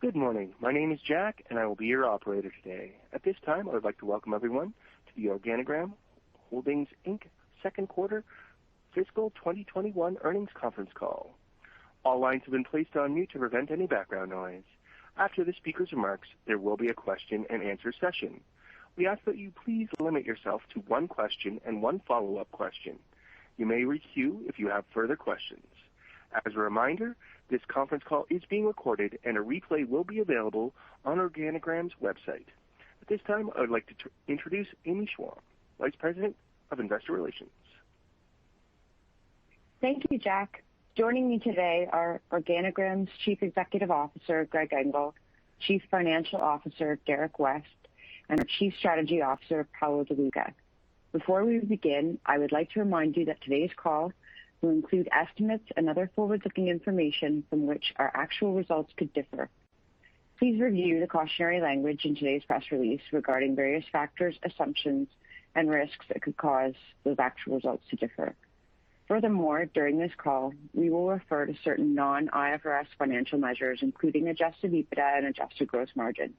Good morning. My name is Jack, and I will be your operator today. At this time, I would like to welcome everyone to the OrganiGram Holdings Inc. second quarter fiscal 2021 earnings conference call. All lines have been placed on mute to prevent any background noise. After the speaker's remarks, there will be a question and answer session. We ask that you please limit yourself to one question and one follow-up question. You may re-queue if you have further questions. As a reminder, this conference call is being recorded, and a replay will be available on OrganiGram's website. At this time, I would like to introduce Amy Schwalm, Vice President of Investor Relations. Thank you, Jack. Joining me today are OrganiGram's Chief Executive Officer, Greg Engel, Chief Financial Officer, Derrick West, and our Chief Strategy Officer, Paolo De Luca. Before we begin, I would like to remind you that today's call will include estimates and other forward-looking information from which our actual results could differ. Please review the cautionary language in today's press release regarding various factors, assumptions, and risks that could cause those actual results to differ. Furthermore, during this call, we will refer to certain non-IFRS financial measures, including adjusted EBITDA and adjusted gross margin.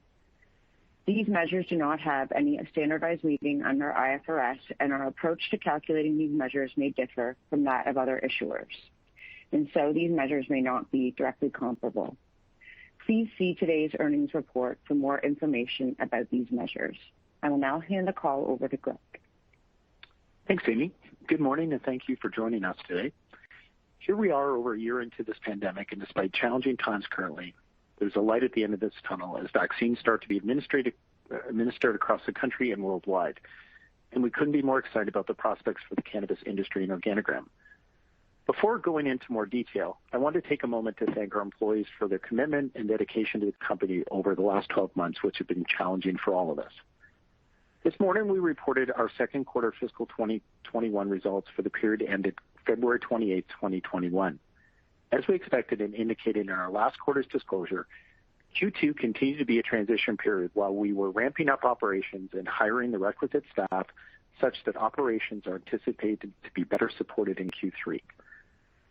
These measures do not have any standardized meaning under IFRS, and our approach to calculating these measures may differ from that of other issuers. These measures may not be directly comparable. Please see today's earnings report for more information about these measures. I will now hand the call over to Greg. Thanks, Amy. Good morning, and thank you for joining us today. Here we are over a year into this pandemic, and despite challenging times currently, there's a light at the end of this tunnel as vaccines start to be administered across the country and worldwide, and we couldn't be more excited about the prospects for the cannabis industry and OrganiGram. Before going into more detail, I want to take a moment to thank our employees for their commitment and dedication to the company over the last 12 months, which have been challenging for all of us. This morning, we reported our second quarter fiscal 2021 results for the period ended February 28, 2021. As we expected and indicated in our last quarter's disclosure, Q2 continued to be a transition period while we were ramping up operations and hiring the requisite staff such that operations are anticipated to be better supported in Q3.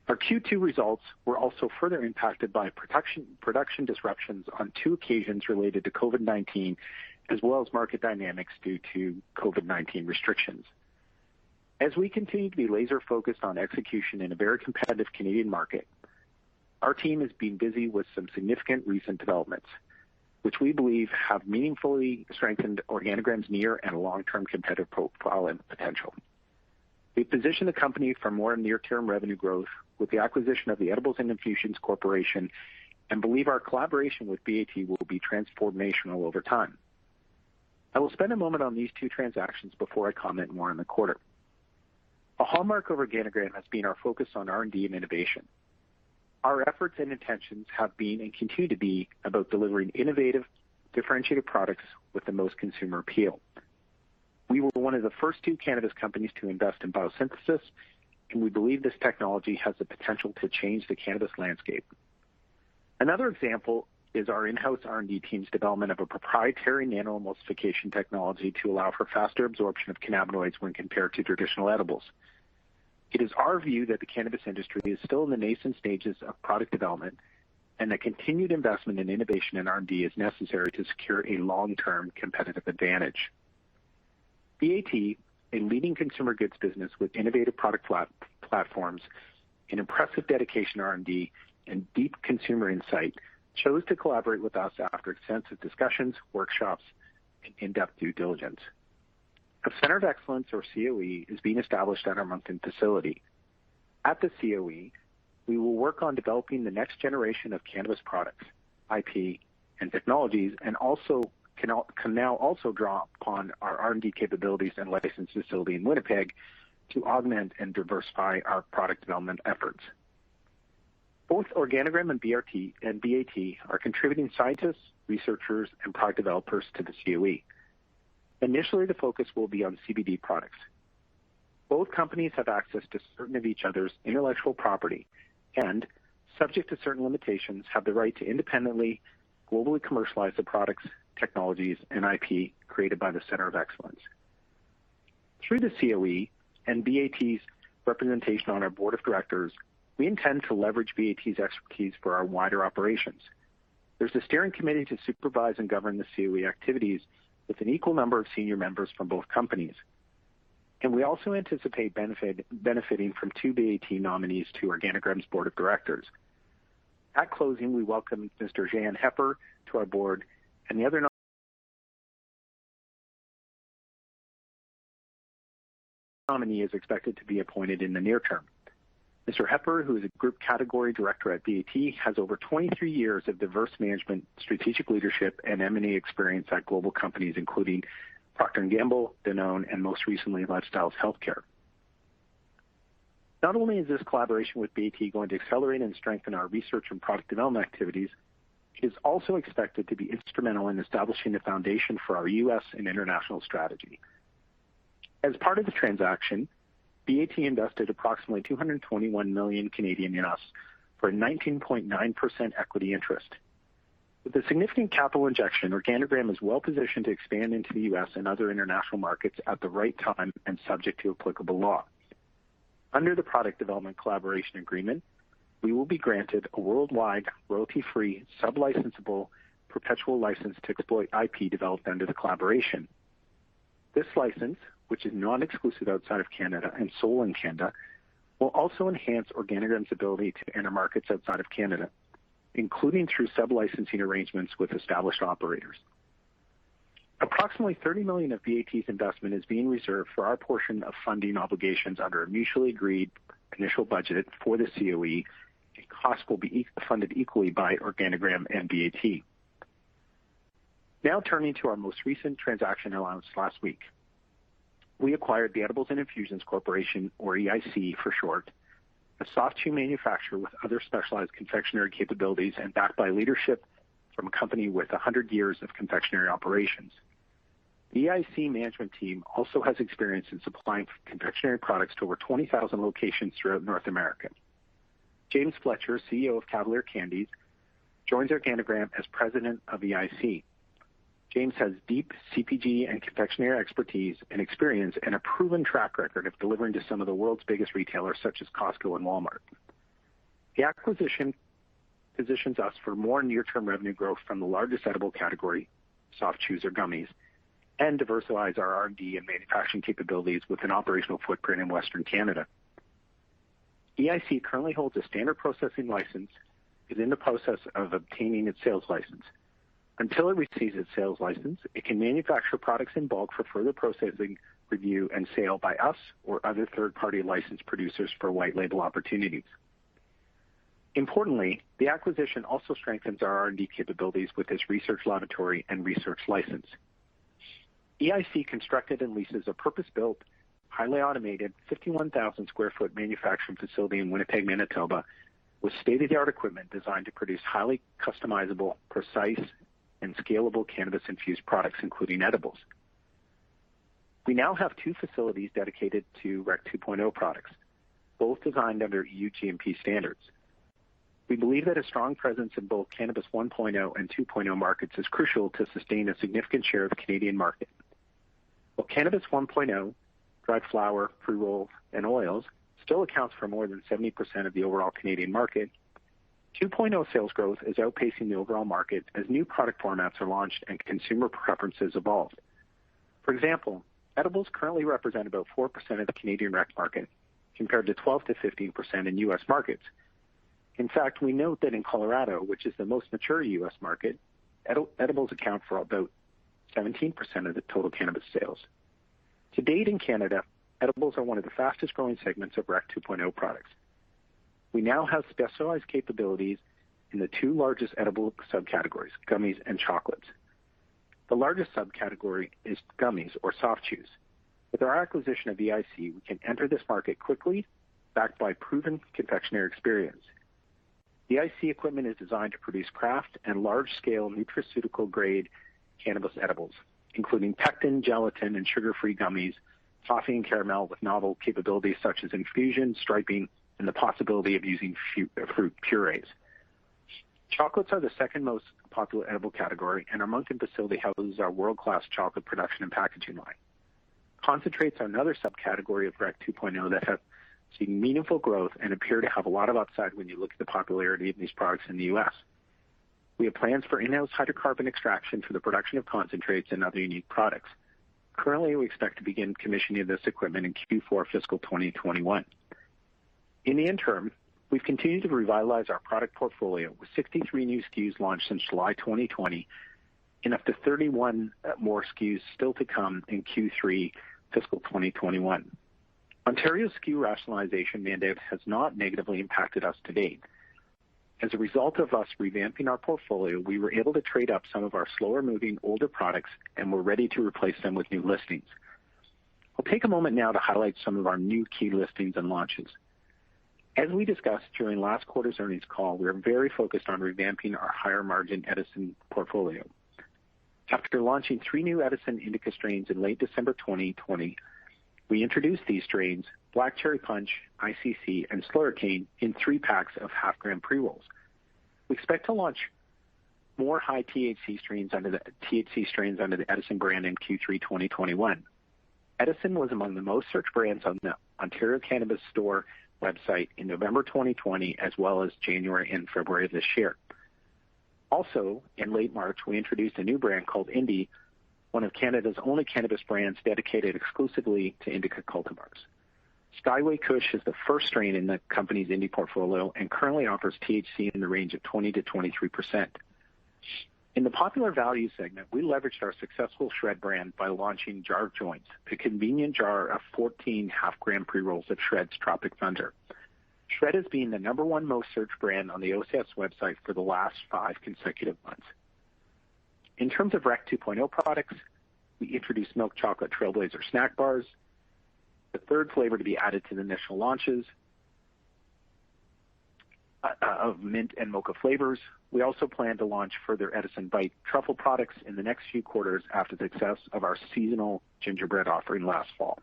Our Q2 results were also further impacted by production disruptions on two occasions related to COVID-19, as well as market dynamics due to COVID-19 restrictions. As we continue to be laser-focused on execution in a very competitive Canadian market, our team has been busy with some significant recent developments, which we believe have meaningfully strengthened OrganiGram's near and long-term competitive profile and potential. We positioned the company for more near-term revenue growth with the acquisition of The Edibles & Infusions Corporation and believe our collaboration with BAT will be transformational over time. I will spend a moment on these two transactions before I comment more on the quarter. A hallmark of OrganiGram has been our focus on R&D and innovation. Our efforts and intentions have been and continue to be about delivering innovative, differentiated products with the most consumer appeal. We were one of the first two cannabis companies to invest in biosynthesis, and we believe this technology has the potential to change the cannabis landscape. Another example is our in-house R&D team's development of a proprietary nano-emulsification technology to allow for faster absorption of cannabinoids when compared to traditional edibles. It is our view that the cannabis industry is still in the nascent stages of product development, and that continued investment in innovation and R&D is necessary to secure a long-term competitive advantage. BAT, a leading consumer goods business with innovative product platforms, an impressive dedication to R&D, and deep consumer insight, chose to collaborate with us after extensive discussions, workshops, and in-depth due diligence. A center of excellence or COE is being established at our Moncton facility. At the COE, we will work on developing the next generation of cannabis products, IP, and technologies, and can now also draw upon our R&D capabilities and licensed facility in Winnipeg to augment and diversify our product development efforts. Both OrganiGram and BAT are contributing scientists, researchers, and product developers to the COE. Initially, the focus will be on CBD products. Both companies have access to certain of each other's intellectual property and, subject to certain limitations, have the right to independently, globally commercialize the products, technologies, and IP created by the center of excellence. Through the COE and BAT's representation on our board of directors, we intend to leverage BAT's expertise for our wider operations. There is a steering committee to supervise and govern the COE activities with an equal number of senior members from both companies. We also anticipate benefiting from two BAT nominees to OrganiGram's Board of Directors. At closing, we welcome Mr. Jeyan Heper to our Board, and the other nominee is expected to be appointed in the near term. Mr. Heper, who is a group category director at BAT, has over 23 years of diverse management, strategic leadership, and M&A experience at global companies, including Procter & Gamble, Danone, and most recently, LifeStyles Healthcare. Not only is this collaboration with BAT going to accelerate and strengthen our research and product development activities, it is also expected to be instrumental in establishing the foundation for our U.S. and international strategy. As part of the transaction, BAT invested approximately 221 million for a 19.9% equity interest. With a significant capital injection, OrganiGram is well-positioned to expand into the U.S. and other international markets at the right time and subject to applicable law. Under the product development collaboration agreement, we will be granted a worldwide royalty-free, sub-licensable, perpetual license to exploit IP developed under the collaboration. This license, which is non-exclusive outside of Canada and sole in Canada, will also enhance OrganiGram's ability to enter markets outside of Canada, including through sub-licensing arrangements with established operators. Approximately 30 million of BAT's investment is being reserved for our portion of funding obligations under a mutually agreed initial budget for the COE, and costs will be funded equally by OrganiGram and BAT. Turning to our most recent transaction announced last week. We acquired The Edibles & Infusions Corporation, or EIC for short, a soft chew manufacturer with other specialized confectionery capabilities and backed by leadership from a company with 100 years of confectionery operations. EIC management team also has experience in supplying confectionery products to over 20,000 locations throughout North America. James Fletcher, CEO of Cavalier Candies, joins OrganiGram as president of EIC. James has deep CPG and confectionery expertise and experience and a proven track record of delivering to some of the world's biggest retailers, such as Costco and Walmart. The acquisition positions us for more near-term revenue growth from the largest edible category, soft chews or gummies, and diversifies our R&D and manufacturing capabilities with an operational footprint in Western Canada. EIC currently holds a standard processing license, is in the process of obtaining its sales license. Until it receives its sales license, it can manufacture products in bulk for further processing, review, and sale by us or other third-party licensed producers for white label opportunities. Importantly, the acquisition also strengthens our R&D capabilities with its research laboratory and research license. EIC constructed and leases a purpose-built, highly automated 51,000 sq ft manufacturing facility in Winnipeg, Manitoba, with state-of-the-art equipment designed to produce highly customizable, precise, and scalable cannabis-infused products, including edibles. We now have two facilities dedicated to Rec 2.0 products, both designed under EU GMP standards. We believe that a strong presence in both cannabis 1.0 and 2.0 markets is crucial to sustain a significant share of Canadian market. While cannabis 1.0, dried flower, pre-rolls, and oils still accounts for more than 70% of the overall Canadian market, 2.0 sales growth is outpacing the overall market as new product formats are launched and consumer preferences evolve. For example, edibles currently represent about 4% of the Canadian rec market, compared to 12%-15% in U.S. markets. In fact, we note that in Colorado, which is the most mature U.S. market, edibles account for about 17% of the total cannabis sales. To date in Canada, edibles are one of the fastest-growing segments of Rec 2.0 products. We now have specialized capabilities in the 2 largest edible subcategories: gummies and chocolates. The largest subcategory is gummies or soft chews. With our acquisition of EIC, we can enter this market quickly, backed by proven confectionery experience. EIC equipment is designed to produce craft and large-scale nutraceutical-grade cannabis edibles, including pectin, gelatin, and sugar-free gummies, toffee, and caramel with novel capabilities such as infusion, striping, and the possibility of using fruit purees. Chocolates are the second most popular edible category, and our Moncton facility houses our world-class chocolate production and packaging line. Concentrates are another subcategory of Rec 2.0 that have seen meaningful growth and appear to have a lot of upside when you look at the popularity of these products in the U.S. We have plans for in-house hydrocarbon extraction for the production of concentrates and other unique products. Currently, we expect to begin commissioning this equipment in Q4 fiscal 2021. In the interim, we've continued to revitalize our product portfolio with 63 new SKUs launched since July 2020 and up to 31 more SKUs still to come in Q3 fiscal 2021. Ontario SKU rationalization mandate has not negatively impacted us to date. As a result of us revamping our portfolio, we were able to trade up some of our slower-moving older products, and we're ready to replace them with new listings. I'll take a moment now to highlight some of our new key listings and launches. As we discussed during last quarter's earnings call, we are very focused on revamping our higher-margin Edison portfolio. After launching three new Edison indica strains in late December 2020, we introduced these strains, Black Cherry Punch, ICC, and Slurricane, in three packs of half-gram pre-rolls. We expect to launch more high-THC strains under the Edison brand in Q3 2021. Edison was among the most searched brands on the Ontario Cannabis Store website in November 2020, as well as January and February of this year. Also, in late March, we introduced a new brand called Indi, one of Canada's only cannabis brands dedicated exclusively to indica cultivars. Skyway Kush is the first strain in the company's Indi portfolio and currently offers THC in the range of 20%-23%. In the popular value segment, we leveraged our successful SHRED brand by launching Jar of Joints, a convenient jar of 14 half-gram pre-rolls of SHRED's Tropic Thunder. SHRED has been the number 1 most searched brand on the OCS website for the last five consecutive months. In terms of Rec 2.0 products, we introduced Milk Chocolate Trailblazer SNAX Bars, the third flavor to be added to the initial launches of mint and mocha flavors. We also plan to launch further Edison Bytes truffle products in the next few quarters after the success of our seasonal gingerbread offering last fall.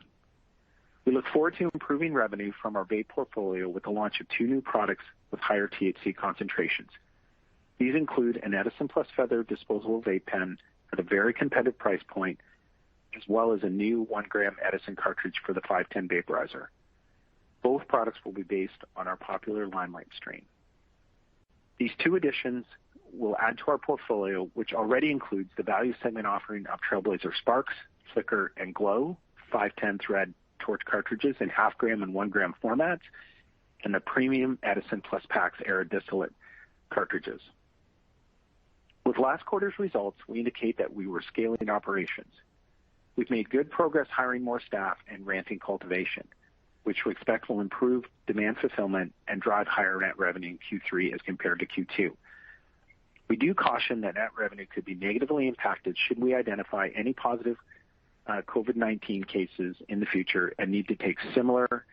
We look forward to improving revenue from our vape portfolio with the launch of two new products with higher THC concentrations. These include an Edison+ Feather disposable vape pen at a very competitive price point, as well as a new one-gram Edison cartridge for the 510 vaporizer. Both products will be based on our popular Limelight strain. These two additions will add to our portfolio, which already includes the value segment offering of Trailblazer Spark, Flicker and Glow, 510-thread Torch cartridges in half-gram and one-gram formats, and the premium Edison+ PAX Era distillate cartridges. With last quarter's results, we indicate that we were scaling operations. We've made good progress hiring more staff and ramping cultivation, which we expect will improve demand fulfillment and drive higher net revenue in Q3 as compared to Q2. We do caution that net revenue could be negatively impacted should we identify any positive COVID-19 cases in the future and need to take similar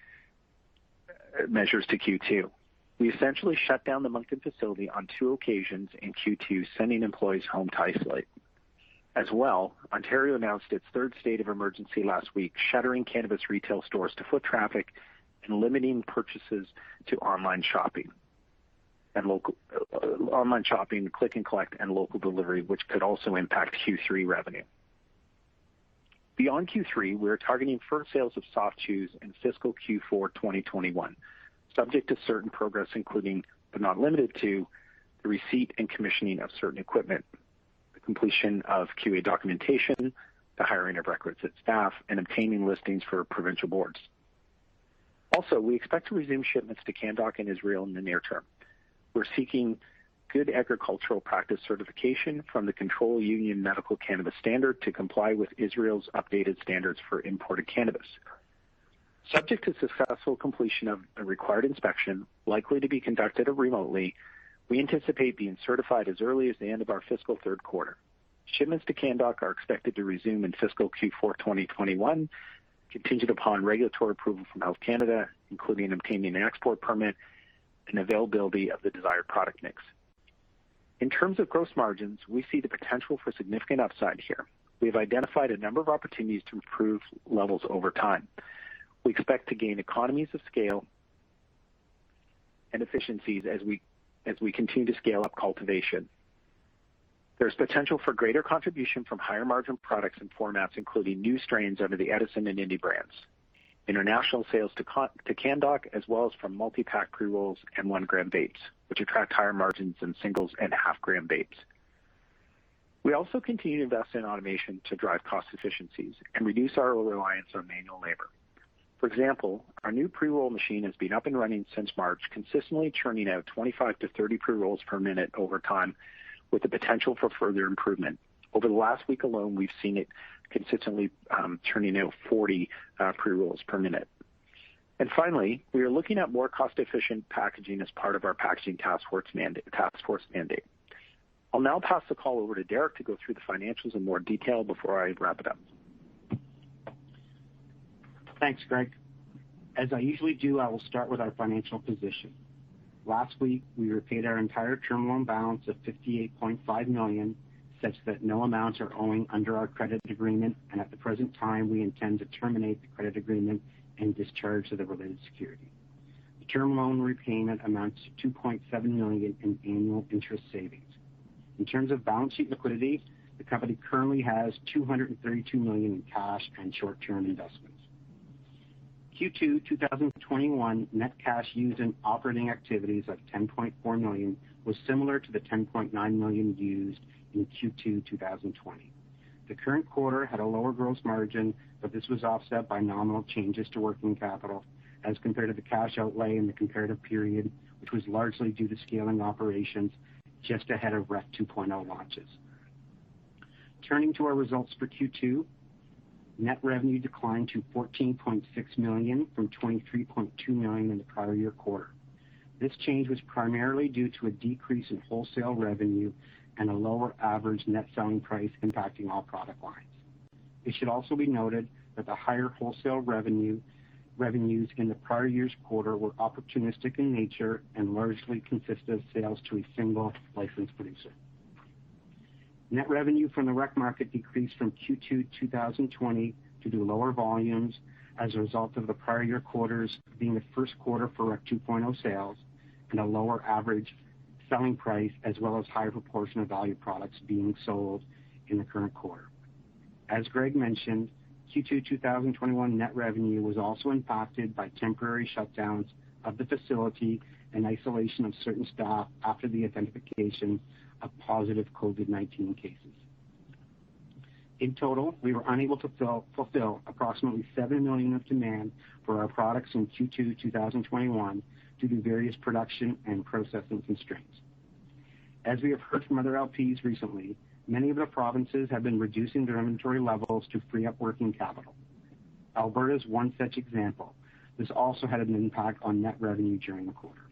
measures to Q2. We essentially shut down the Moncton facility on two occasions in Q2, sending employees home to isolate. As well, Ontario announced its third state of emergency last week, shuttering cannabis retail stores to foot traffic and limiting purchases to online shopping, click and collect, and local delivery, which could also impact Q3 revenue. Beyond Q3, we are targeting first sales of soft chews in fiscal Q4 2021, subject to certain progress, including, but not limited to, the receipt and commissioning of certain equipment, the completion of QA documentation, the hiring of requisite staff, and obtaining listings for provincial boards. Also, we expect to resume shipments to Canndoc in Israel in the near term. We're seeking Good Agricultural Practice certification from the Control Union Medical Cannabis Standard to comply with Israel's updated standards for imported cannabis. Subject to successful completion of a required inspection, likely to be conducted remotely, we anticipate being certified as early as the end of our fiscal third quarter. Shipments to Canndoc are expected to resume in fiscal Q4 2021, contingent upon regulatory approval from Health Canada, including obtaining an export permit and availability of the desired product mix. In terms of gross margins, we see the potential for significant upside here. We have identified a number of opportunities to improve levels over time. We expect to gain economies of scale and efficiencies as we continue to scale up cultivation. There's potential for greater contribution from higher-margin products and formats, including new strains under the Edison and Indi brands, international sales to Canndoc, as well as from multi-pack pre-rolls and one-gram vapes, which attract higher margins than singles and half-gram vapes. We also continue to invest in automation to drive cost efficiencies and reduce our reliance on manual labor. For example, our new pre-roll machine has been up and running since March, consistently churning out 25-30 pre-rolls per minute over time, with the potential for further improvement. Over the last week alone, we've seen it consistently churning out 40 pre-rolls per minute. Finally, we are looking at more cost-efficient packaging as part of our packaging task force mandate. I'll now pass the call over to Derrick to go through the financials in more detail before I wrap it up. Thanks, Greg. As I usually do, I will start with our financial position. Last week, we repaid our entire term loan balance of 58.5 million, such that no amounts are owing under our credit agreement. At the present time, we intend to terminate the credit agreement and discharge the related security. The term loan repayment amounts to 2.7 million in annual interest savings. In terms of balance sheet liquidity, the company currently has 232 million in cash and short-term investments. Q2 2021 net cash used in operating activities of 10.4 million was similar to the 10.9 million used in Q2 2020. The current quarter had a lower gross margin. This was offset by nominal changes to working capital as compared to the cash outlay in the comparative period, which was largely due to scaling operations just ahead of Rec 2.0 launches. Turning to our results for Q2, net revenue declined to 14.6 million from 23.2 million in the prior-year quarter. This change was primarily due to a decrease in wholesale revenue and a lower average net selling price impacting all product lines. It should also be noted that the higher wholesale revenues in the prior-year quarter were opportunistic in nature and largely consisted of sales to a single licensed producer. Net revenue from the Rec market decreased from Q2 2020 due to lower volumes as a result of the prior-year quarters being the first quarter for Rec 2.0 sales and a lower average selling price, as well as higher proportion of value products being sold in the current quarter. As Greg mentioned, Q2 2021 net revenue was also impacted by temporary shutdowns of the facility and isolation of certain staff after the identification of positive COVID-19 cases. In total, we were unable to fulfill approximately 7 million of demand for our products in Q2 2021 due to various production and processing constraints. As we have heard from other LPs recently, many of the provinces have been reducing their inventory levels to free up working capital. Alberta is one such example. This also had an impact on net revenue during the quarter.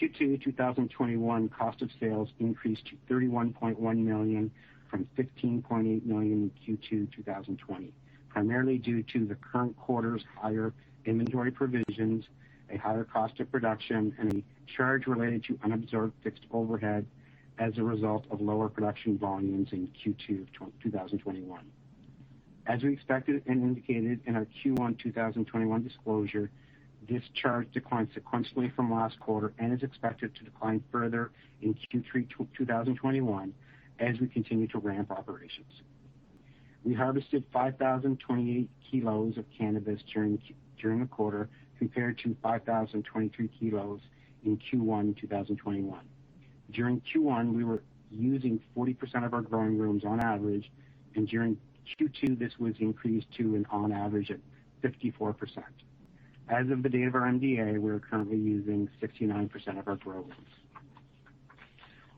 Q2 2021 cost of sales increased to 31.1 million from 15.8 million in Q2 2020, primarily due to the current quarter's higher inventory provisions, a higher cost of production, and a charge related to unabsorbed fixed overhead as a result of lower production volumes in Q2 2021. As we expected and indicated in our Q1 2021 disclosure, this charge declined sequentially from last quarter and is expected to decline further in Q3 2021 as we continue to ramp operations. We harvested 5,028 kilos of cannabis during the quarter, compared to 5,023 kilos in Q1 2021. During Q1, we were using 40% of our growing rooms on average, and during Q2, this was increased to on average at 54%. As of the date of our MD&A, we are currently using 69% of our grow rooms.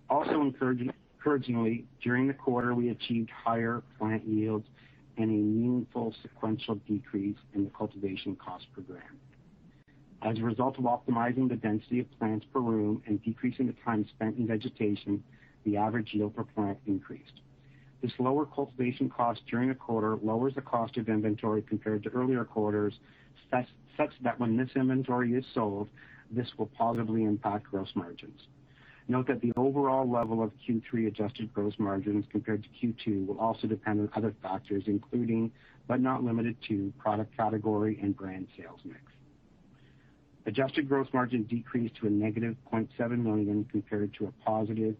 Also encouragingly, during the quarter, we achieved higher plant yields and a meaningful sequential decrease in the cultivation cost per gram. As a result of optimizing the density of plants per room and decreasing the time spent in vegetation, the average yield per plant increased. This lower cultivation cost during the quarter lowers the cost of inventory compared to earlier quarters, such that when this inventory is sold, this will positively impact gross margins. Note that the overall level of Q3-adjusted gross margins compared to Q2 will also depend on other factors including, but not limited to, product category and brand sales mix. Adjusted gross margin decreased to a negative 0.7 million compared to a positive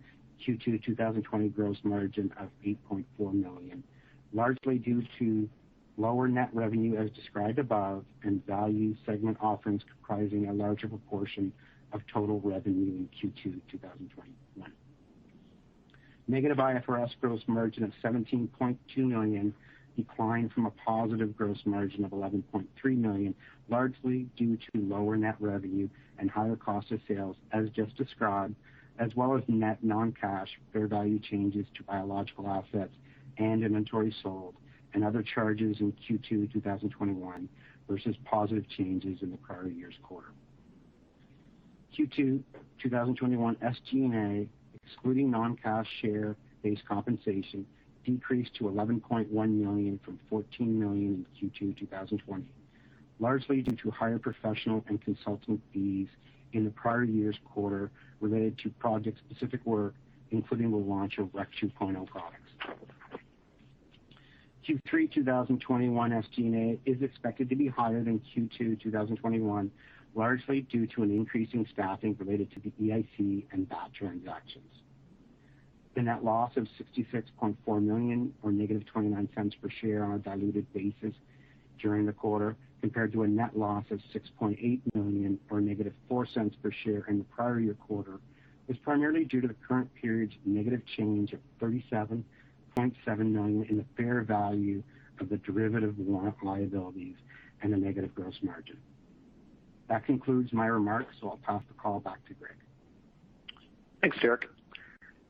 Q2 2020 gross margin of 8.4 million, largely due to lower net revenue as described above and value segment offerings comprising a larger proportion of total revenue in Q2 2021. Negative IFRS gross margin of 17.2 million declined from a positive gross margin of 11.3 million, largely due to lower net revenue and higher cost of sales as just described, as well as net non-cash fair value changes to biological assets and inventory sold and other charges in Q2 2021 versus positive changes in the prior year's quarter. Q2 2021 SG&A, excluding non-cash share-based compensation, decreased to 11.1 million from 14 million in Q2 2020, largely due to higher professional and consultant fees in the prior year's quarter related to project-specific work, including the launch of Rec 2.0 products. Q3 2021 SG&A is expected to be higher than Q2 2021, largely due to an increase in staffing related to the EIC and BAT transactions. The net loss of 66.4 million, or negative 0.29 per share on a diluted basis during the quarter, compared to a net loss of 6.8 million or negative 0.04 per share in the prior year quarter, was primarily due to the current period's negative change of 37.7 million in the fair value of the derivative warrant liabilities and a negative gross margin. That concludes my remarks. I'll pass the call back to Greg. Thanks, Derrick.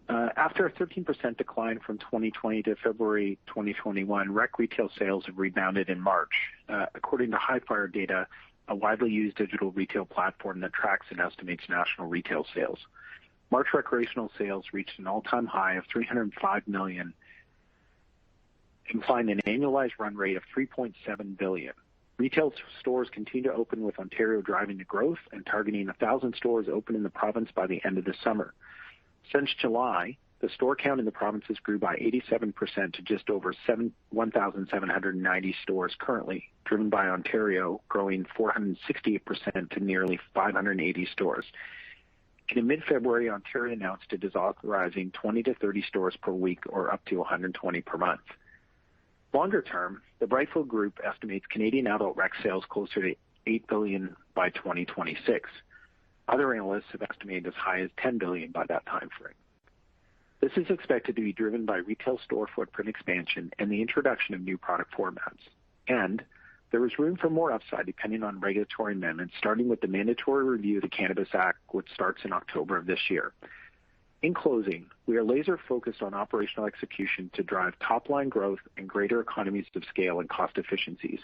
After a 13% decline from 2020 to February 2021, rec retail sales have rebounded in March, according to Hifyre Data, a widely used digital retail platform that tracks and estimates national retail sales. March recreational sales reached an all-time high of 305 million, implying an annualized run rate of 3.7 billion. Retail stores continue to open, with Ontario driving the growth and targeting 1,000 stores open in the province by the end of the summer. Since July, the store count in the provinces grew by 87% to just over 1,790 stores currently, driven by Ontario growing 468% to nearly 580 stores. In mid-February, Ontario announced it is authorizing 20 to 30 stores per week or up to 120 per month. Longer term, the Brightfield Group estimates Canadian adult rec sales closer to 8 billion by 2026. Other analysts have estimated as high as 10 billion by that time frame. This is expected to be driven by retail store footprint expansion and the introduction of new product formats. There is room for more upside depending on regulatory amendments, starting with the mandatory review of the Cannabis Act, which starts in October of this year. In closing, we are laser-focused on operational execution to drive top-line growth and greater economies of scale and cost efficiencies.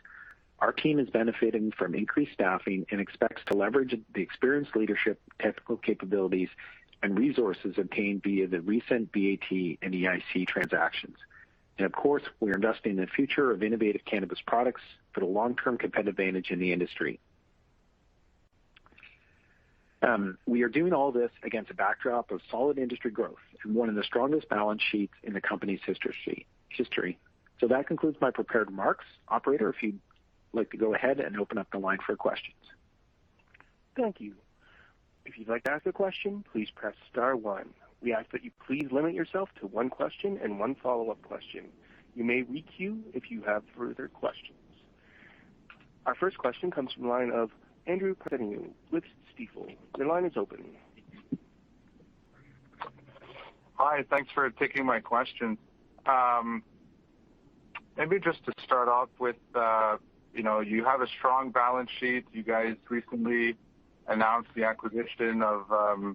Our team is benefiting from increased staffing and expects to leverage the experienced leadership, technical capabilities, and resources obtained via the recent BAT and EIC transactions. Of course, we are investing in the future of innovative cannabis products for the long-term competitive advantage in the industry. We are doing all this against a backdrop of solid industry growth and one of the strongest balance sheets in the company's history. That concludes my prepared remarks. Operator, if you'd like to go ahead and open up the line for questions. Thank you. If you'd like to ask a question, please press star one. We ask that you please limit yourself to one question and one follow-up question. You may re-queue if you have further questions. Our first question comes from the line of Andrew Partheniou with Stifel. Your line is open. Hi, thanks for taking my question. Maybe just to start off with, you have a strong balance sheet. You guys recently announced the acquisition of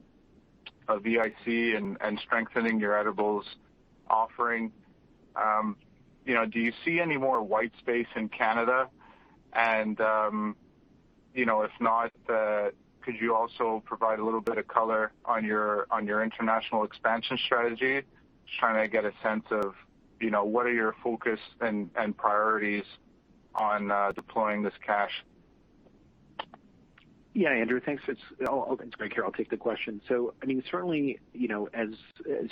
EIC and strengthening your edibles offering. Do you see any more white space in Canada? If not, could you also provide a little bit of color on your international expansion strategy? Just trying to get a sense of what are your focus and priorities on deploying this cash. Yeah, Andrew, thanks. It's Greg here, I'll take the question. Certainly, as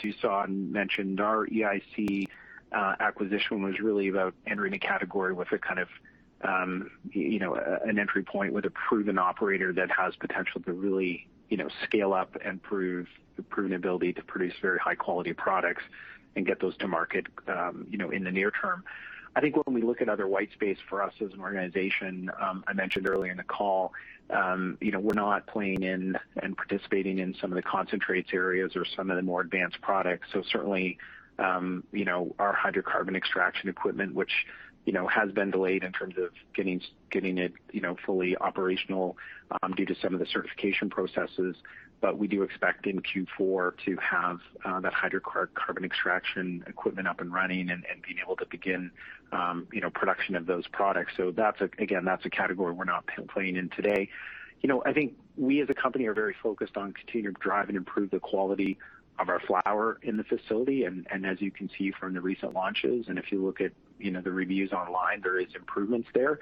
you saw and mentioned, our EIC acquisition was really about entering a category with an entry point with a proven operator that has potential to really scale up and prove the proven ability to produce very high-quality products and get those to market, in the near term. I think when we look at other white space for us as an organization, I mentioned earlier in the call, we're not playing in and participating in some of the concentrates areas or some of the more advanced products. Certainly, our hydrocarbon extraction equipment, which has been delayed in terms of getting it fully operational, due to some of the certification processes, but we do expect in Q4 to have that hydrocarbon extraction equipment up and running and being able to begin production of those products. Again, that's a category we're not playing in today. I think we as a company are very focused on continuing to drive and improve the quality of our flower in the facility. As you can see from the recent launches, and if you look at the reviews online, there is improvements there.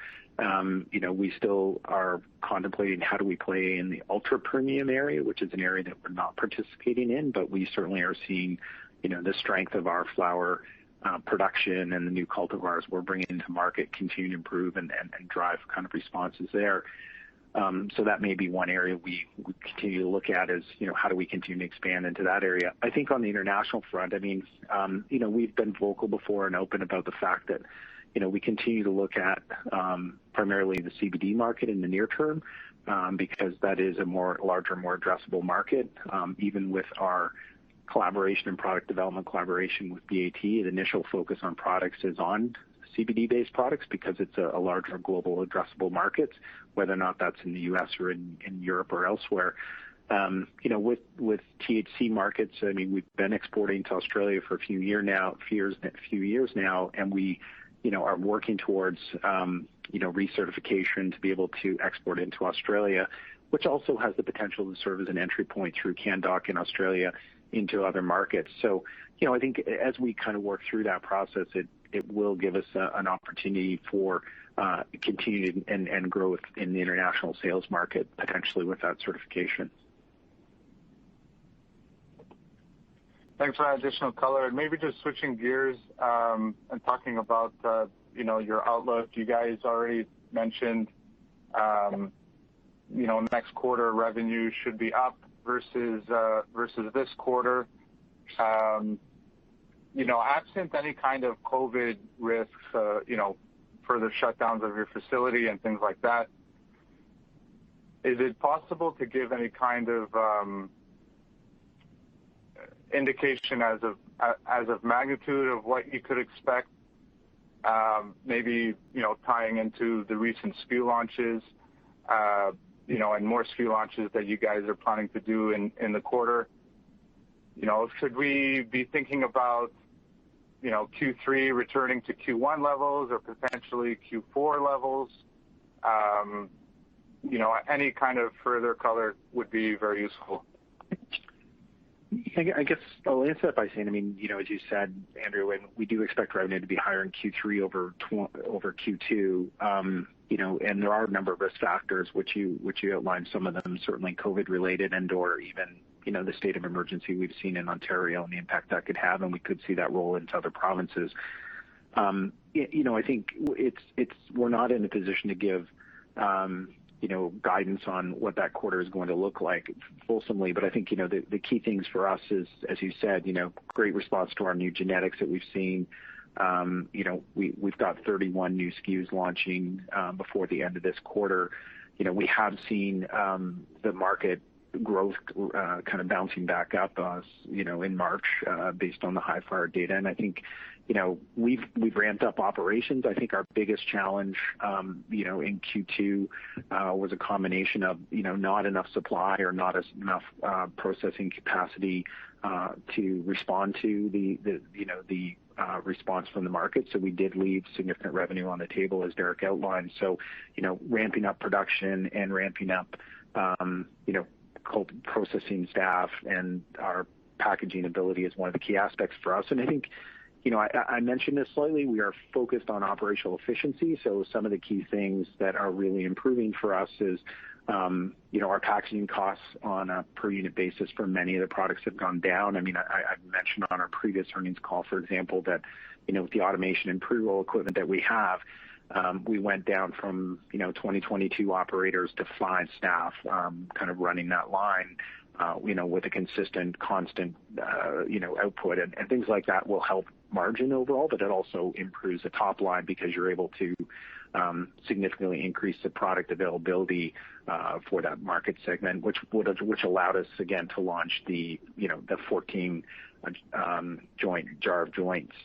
We still are contemplating how do we play in the ultra-premium area, which is an area that we're not participating in, but we certainly are seeing the strength of our flower production and the new cultivars we're bringing to market continue to improve and drive responses there. That may be one area we continue to look at is, how do we continue to expand into that area. I think on the international front, we've been vocal before and open about the fact that we continue to look at, primarily the CBD market in the near term, because that is a more larger, more addressable market, even with our collaboration and product development collaboration with BAT. The initial focus on products is on CBD-based products because it's a larger global addressable market, whether or not that's in the U.S. or in Europe or elsewhere. With THC markets, we've been exporting to Australia for a few years now, and we are working towards recertification to be able to export into Australia, which also has the potential to serve as an entry point through Canndoc in Australia into other markets. I think as we work through that process, it will give us an opportunity for continued and growth in the international sales market, potentially with that certification. Thanks for that additional color. Maybe just switching gears, and talking about your outlook. You guys already mentioned next quarter revenue should be up versus this quarter. Absent any kind of COVID risks, further shutdowns of your facility and things like that, is it possible to give any kind of indication as of magnitude of what you could expect, maybe tying into the recent SKU launches, and more SKU launches that you guys are planning to do in the quarter? Should we be thinking about Q3 returning to Q1 levels or potentially Q4 levels? Any kind of further color would be very useful. I guess I'll answer that by saying, as you said, Andrew, we do expect revenue to be higher in Q3 over Q2. There are a number of risk factors which you outlined, some of them certainly COVID related and/or even the state of emergency we've seen in Ontario and the impact that could have, and we could see that roll into other provinces. I think we're not in a position to give guidance on what that quarter is going to look like fulsomely, I think, the key things for us is, as you said, great response to our new genetics that we've seen. We've got 31 new SKUs launching before the end of this quarter. We have seen the market growth kind of bouncing back up in March, based on the Hifyre data. I think we've ramped up operations. I think our biggest challenge in Q2 was a combination of not enough supply or not enough processing capacity to respond to the response from the market. We did leave significant revenue on the table as Derrick outlined. Ramping up production and ramping up processing staff and our packaging ability is one of the key aspects for us. I think I mentioned this slightly, we are focused on operational efficiency. Some of the key things that are really improving for us is our packaging costs on a per unit basis for many of the products have gone down. I've mentioned on our previous earnings call, for example, that with the automation and pre-roll equipment that we have, we went down from 20, 22 operators to five staff kind of running that line with a consistent constant output and things like that will help margin overall, but it also improves the top line because you're able to significantly increase the product availability for that market segment which allowed us again to launch the 14 Jar of Joints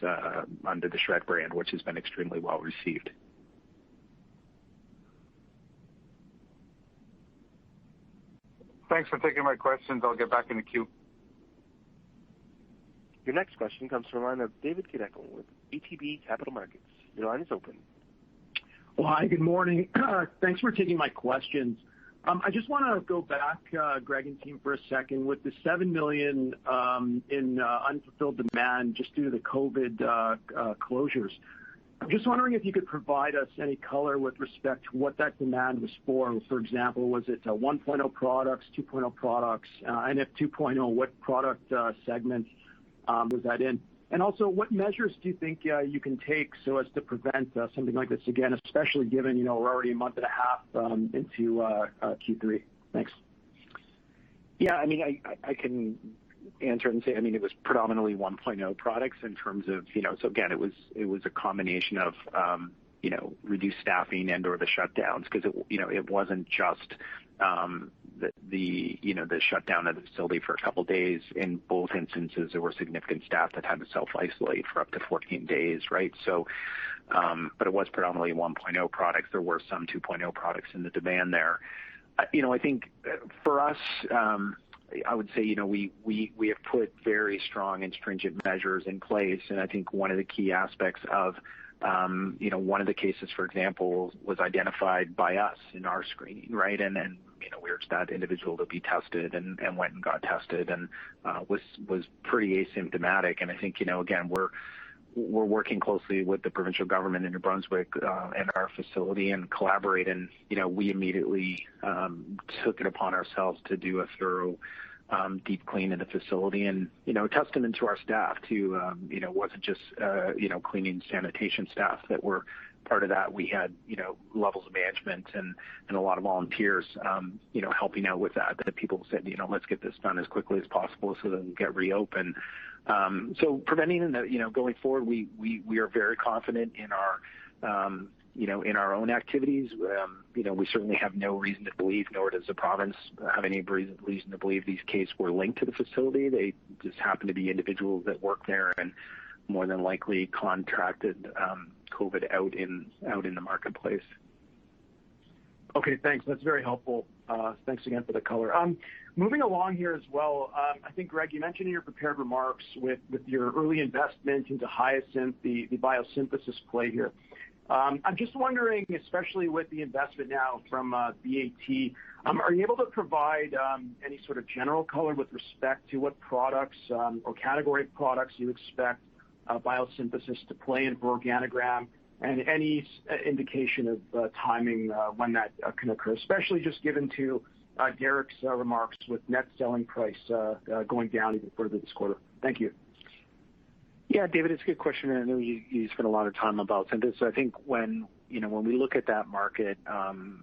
under the SHRED brand, which has been extremely well-received. Thanks for taking my questions. I'll get back in the queue. Your next question comes from the line of David Kideckel with ATB Capital Markets. Your line is open. Well, hi, good morning. Thanks for taking my questions. I just want to go back, Greg and team for a second with the 7 million in unfulfilled demand just due to the COVID closures. I'm just wondering if you could provide us any color with respect to what that demand was for. For example, was it 1.0 products, 2.0 products? If 2.0, what product segments was that in? Also, what measures do you think you can take so as to prevent something like this again, especially given we're already a month and a half into Q3? Thanks. Yeah, I can answer it and say, it was predominantly 1.0 products. Again, it was a combination of reduced staffing and/or the shutdowns because it wasn't just the shutdown of the facility for a couple of days. In both instances, there were significant staff that had to self-isolate for up to 14 days, right? It was predominantly 1.0 products. There were some 2.0 products in the demand there. I think for us, I would say, we have put very strong and stringent measures in place, and I think one of the key aspects of one of the cases, for example, was identified by us in our screening, right? We urged that individual to be tested and went and got tested and was pretty asymptomatic. I think, again, we're working closely with the provincial government in New Brunswick, and our facility and collaborate and we immediately took it upon ourselves to do a thorough, deep clean of the facility. A testament to our staff too. It wasn't just cleaning sanitation staff that were part of that. We had levels of management and a lot of volunteers helping out with that, the people who said, "Let's get this done as quickly as possible so that we can reopen." Preventing, going forward, we are very confident in our own activities. We certainly have no reason to believe, nor does the province have any reason to believe these cases were linked to the facility. They just happen to be individuals that work there and more than likely contracted COVID out in the marketplace. Okay, thanks. That's very helpful. Thanks again for the color. Moving along here as well. I think, Greg, you mentioned in your prepared remarks with your early investment into Hyasynth, the biosynthesis play here. I'm just wondering, especially with the investment now from BAT, are you able to provide any sort of general color with respect to what products, or category of products you expect biosynthesis to play in for OrganiGram and any indication of timing when that can occur, especially just given to Derrick's remarks with net selling price going down even further this quarter? Thank you. Yeah, David, it's a good question. I know you spend a lot of time about synthesis. I think when we look at that market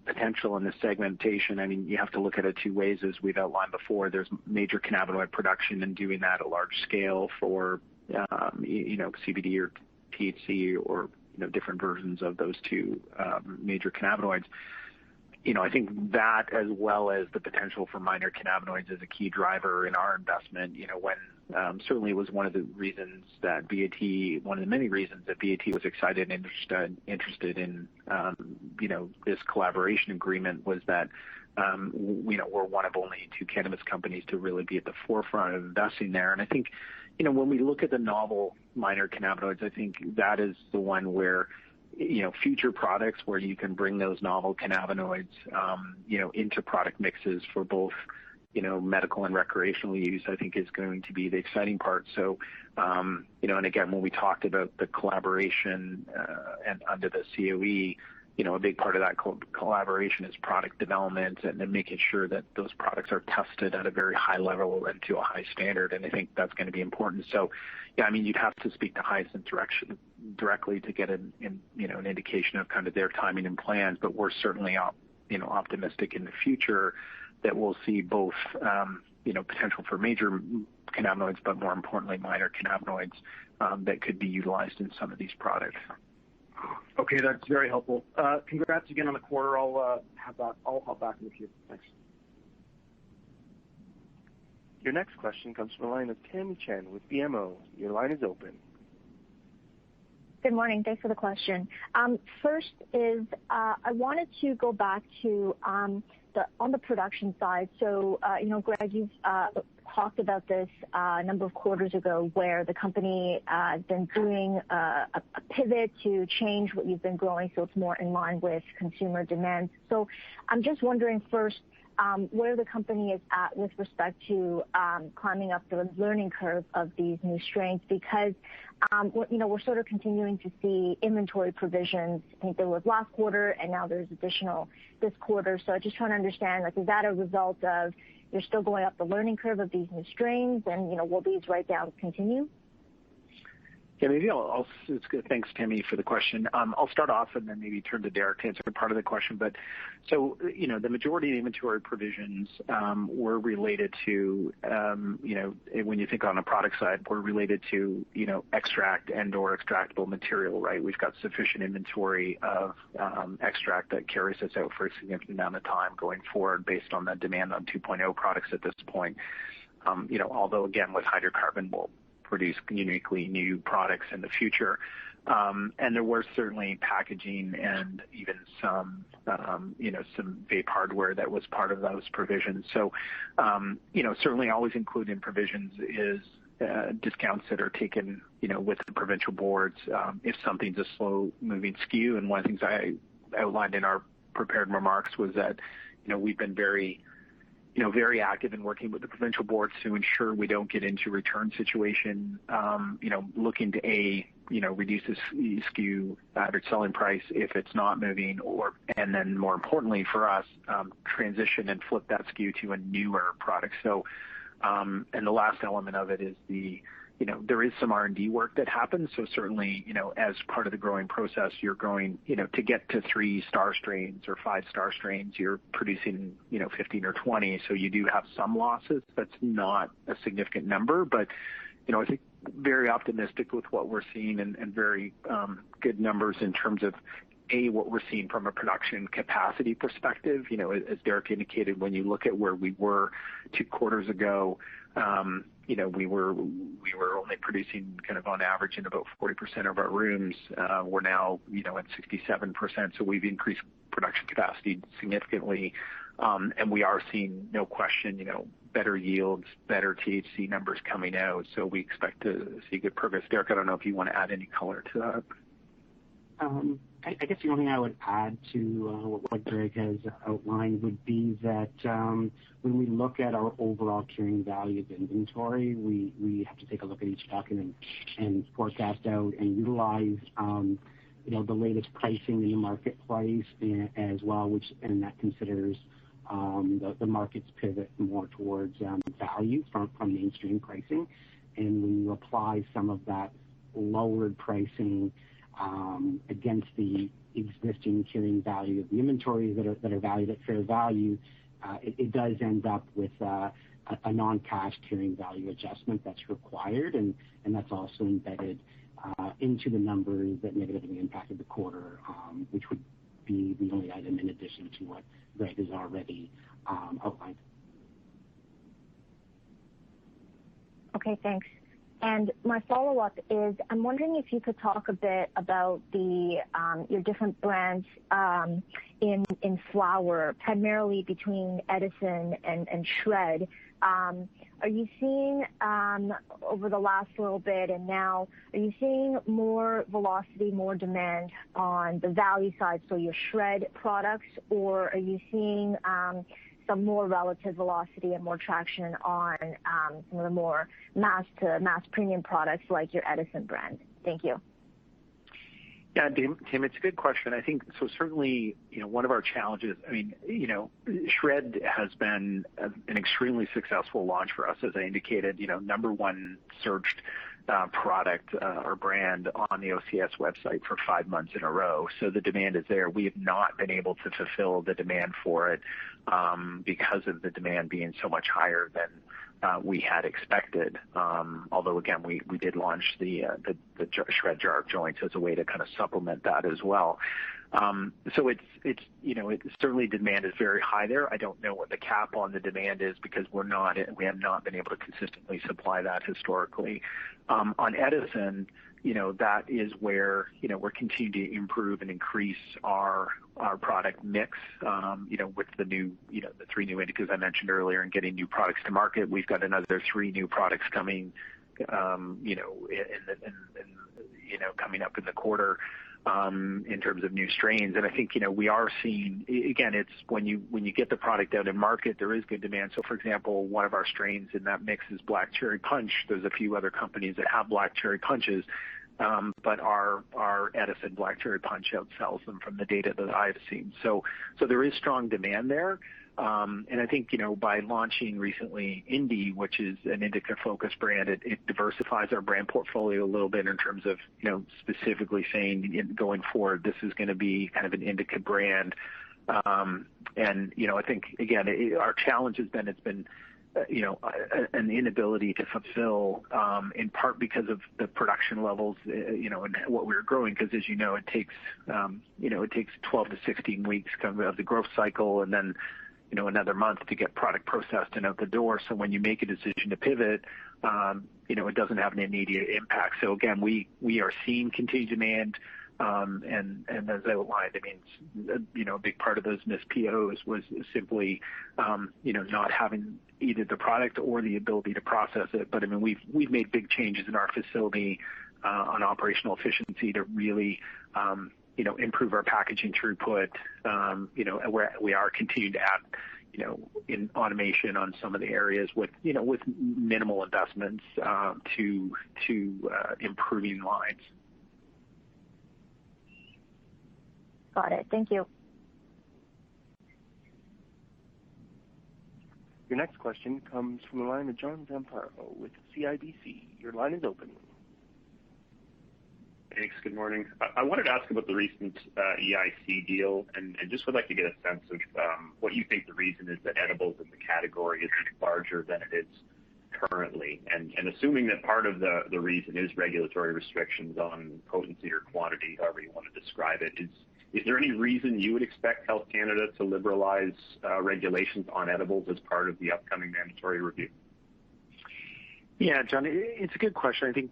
potential and the segmentation, you have to look at it two ways, as we've outlined before. There's major cannabinoid production and doing that at large scale for CBD or THC or different versions of those two major cannabinoids. I think that as well as the potential for minor cannabinoids is a key driver in our investment. Certainly was one of the many reasons that BAT was excited and interested in this collaboration agreement was that we're one of only two cannabis companies to really be at the forefront of investing there. I think, when we look at the novel minor cannabinoids, I think that is the one where future products where you can bring those novel cannabinoids into product mixes for both medical and recreational use, I think is going to be the exciting part. Again, when we talked about the collaboration, and under the COE, a big part of that collaboration is product development and then making sure that those products are tested at a very high level and to a high standard, and I think that's going to be important. Yeah, you'd have to speak to Hyasynth directly to get an indication of their timing and plans, but we're certainly optimistic in the future that we'll see both potential for major cannabinoids, but more importantly, minor cannabinoids, that could be utilized in some of these products. Okay. That's very helpful. Congrats again on the quarter. I'll hop back in the queue. Thanks. Your next question comes from the line of Tamy Chen with BMO. Your line is open. Good morning. Thanks for the question. First is, I wanted to go back to on the production side. Greg, you've talked about this a number of quarters ago where the company has been doing a pivot to change what you've been growing, so it's more in line with consumer demand. I'm just wondering first, where the company is at with respect to climbing up the learning curve of these new strains, because we're continuing to see inventory provisions, I think there was last quarter and now there's additional this quarter. I just want to understand, is that a result of you're still going up the learning curve of these new strains and will these write-downs continue? It's good. Thanks, Tamy, for the question. I'll start off and then maybe turn to Derrick to answer the part of the question, but the majority of the inventory provisions, were related to, when you think on the product side, were related to extract and/or extractable material, right? We've got sufficient inventory of extract that carries us out for a significant amount of time going forward based on the demand on 2.0 products at this point. Again, with hydrocarbon, we'll produce uniquely new products in the future. There were certainly packaging and even some vape hardware that was part of those provisions. Certainly always included in provisions is discounts that are taken with the provincial boards if something's a slow moving SKU. One of the things I outlined in our prepared remarks was that we've been very active in working with the provincial boards to ensure we don't get into a return situation, looking to, A, reduce the SKU average selling price if it's not moving, and then more importantly for us, transition and flip that SKU to a newer product. The last element of it is there is some R&D work that happens. Certainly, as part of the growing process, to get to 3-star strains or 5-star strains, you're producing 15 or 20. You do have some losses. That's not a significant number. I think very optimistic with what we're seeing and very good numbers in terms of, A, what we're seeing from a production capacity perspective. As Derrick indicated, when you look at where we were two quarters ago, we were only producing kind of on average in about 40% of our rooms. We're now at 67%. We've increased production capacity significantly, and we are seeing, no question, better yields, better THC numbers coming out. We expect to see good progress. Derrick, I don't know if you want to add any color to that. I guess the only thing I would add to what Greg has outlined would be that when we look at our overall carrying value of inventory, we have to take a look at each stock and forecast out and utilize the latest pricing in the marketplace as well, and that considers the market's pivot more towards value from mainstream pricing. When you apply some of that lowered pricing against the existing carrying value of the inventory that are valued at fair value, it does end up with a non-cash carrying value adjustment that's required, and that's also embedded into the numbers that negatively impacted the quarter, which would be the only item in addition to what Greg has already outlined. Okay, thanks. My follow-up is, I'm wondering if you could talk a bit about your different brands in flower, primarily between Edison and SHRED. Over the last little bit and now, are you seeing more velocity, more demand on the value side, so your SHRED products, or are you seeing some more relative velocity and more traction on the more mass to mass premium products like your Edison brand? Thank you. Yeah, Tamy, it's a good question. I think, certainly, one of our challenges, SHRED has been an extremely successful launch for us, as I indicated, number one searched product or brand on the OCS website for five months in a row. The demand is there. We have not been able to fulfill the demand for it because of the demand being so much higher than we had expected. Although, again, we did launch the SHRED Jar of Joints as a way to supplement that as well. Certainly, demand is very high there. I don't know what the cap on the demand is because we have not been able to consistently supply that historically. On Edison, that is where we're continuing to improve and increase our product mix with the three new indicas I mentioned earlier and getting new products to market. We've got another three new products coming up in the quarter in terms of new strains. I think we are seeing. Again, when you get the product out in market, there is good demand. For example, one of our strains in that mix is Black Cherry Punch. There's a few other companies that have Black Cherry Punches, but our Edison Black Cherry Punch outsells them from the data that I have seen. There is strong demand there. I think, by launching recently Indi, which is an indica-focused brand, it diversifies our brand portfolio a little bit in terms of specifically saying, going forward, this is going to be kind of an indica brand. I think, again, our challenge has been an inability to fulfill, in part because of the production levels, and what we're growing, because as you know, it takes 12 to 16 weeks of the growth cycle and then another month to get product processed and out the door. When you make a decision to pivot, it doesn't have an immediate impact. Again, we are seeing continued demand, and as I outlined, a big part of those missed POs was simply not having either the product or the ability to process it. We've made big changes in our facility on operational efficiency to really improve our packaging throughput, and we are continuing to add in automation on some of the areas with minimal investments to improving lines. Got it. Thank you. Your next question comes from the line of John Zamparo with CIBC. Your line is open. Thanks. Good morning. I wanted to ask about the recent EIC deal. Just would like to get a sense of what you think the reason is that edibles as a category is larger than it is currently. Assuming that part of the reason is regulatory restrictions on potency or quantity, however you want to describe it, is there any reason you would expect Health Canada to liberalize regulations on edibles as part of the upcoming mandatory review? Yeah. John, it's a good question. I think,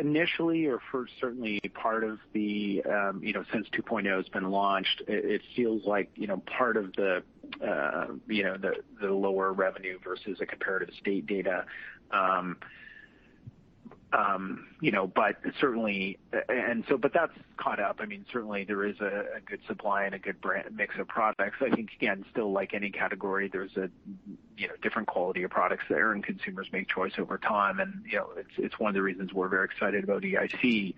initially or for certainly since 2.0's been launched, it feels like part of the lower revenue versus a comparative state data. That's caught up. Certainly there is a good supply and a good mix of products. I think, again, still like any category, there's a different quality of products there, and consumers make choice over time. It's one of the reasons we're very excited about EIC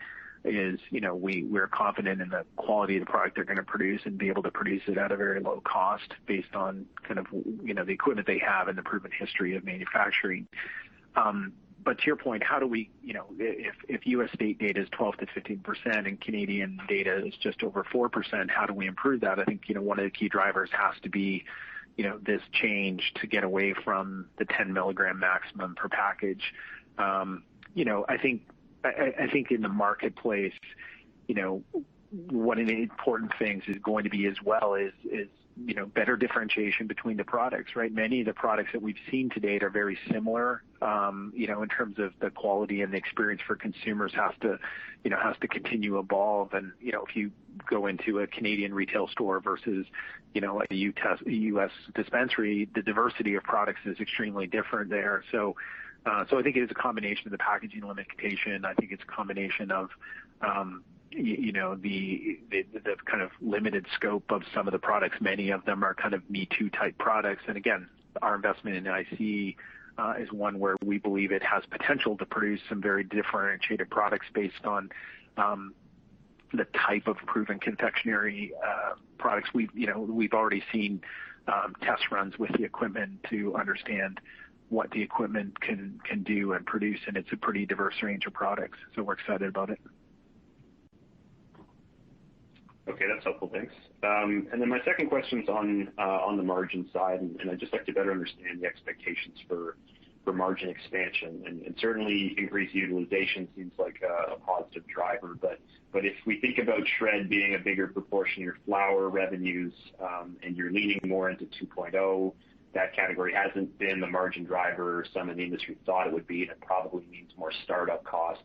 is, we're confident in the quality of the product they're going to produce and be able to produce it at a very low cost based on the equipment they have and the proven history of manufacturing. To your point, if U.S. state data is 12%-15% and Canadian data is just over 4%, how do we improve that? I think, one of the key drivers has to be this change to get away from the 10 mg maximum per package. I think in the marketplace, one of the important things is going to be as well is better differentiation between the products, right? Many of the products that we've seen to date are very similar, in terms of the quality and the experience for consumers has to continue to evolve. If you go into a Canadian retail store versus, a U.S. dispensary, the diversity of products is extremely different there. I think it is a combination of the packaging limitation. I think it's a combination of the kind of limited scope of some of the products. Many of them are kind of me-too type products. Again, our investment in EIC, is one where we believe it has potential to produce some very differentiated products based on the type of proven confectionery products. We've already seen test runs with the equipment to understand what the equipment can do and produce, and it's a pretty diverse range of products, so we're excited about it. Okay, that's helpful. Thanks. My second question's on the margin side, and I'd just like to better understand the expectations for margin expansion, and certainly increased utilization seems like a positive driver. If we think about SHRED being a bigger proportion of your flower revenues, and you're leaning more into 2.0, that category hasn't been the margin driver some in the industry thought it would be, and it probably means more startup costs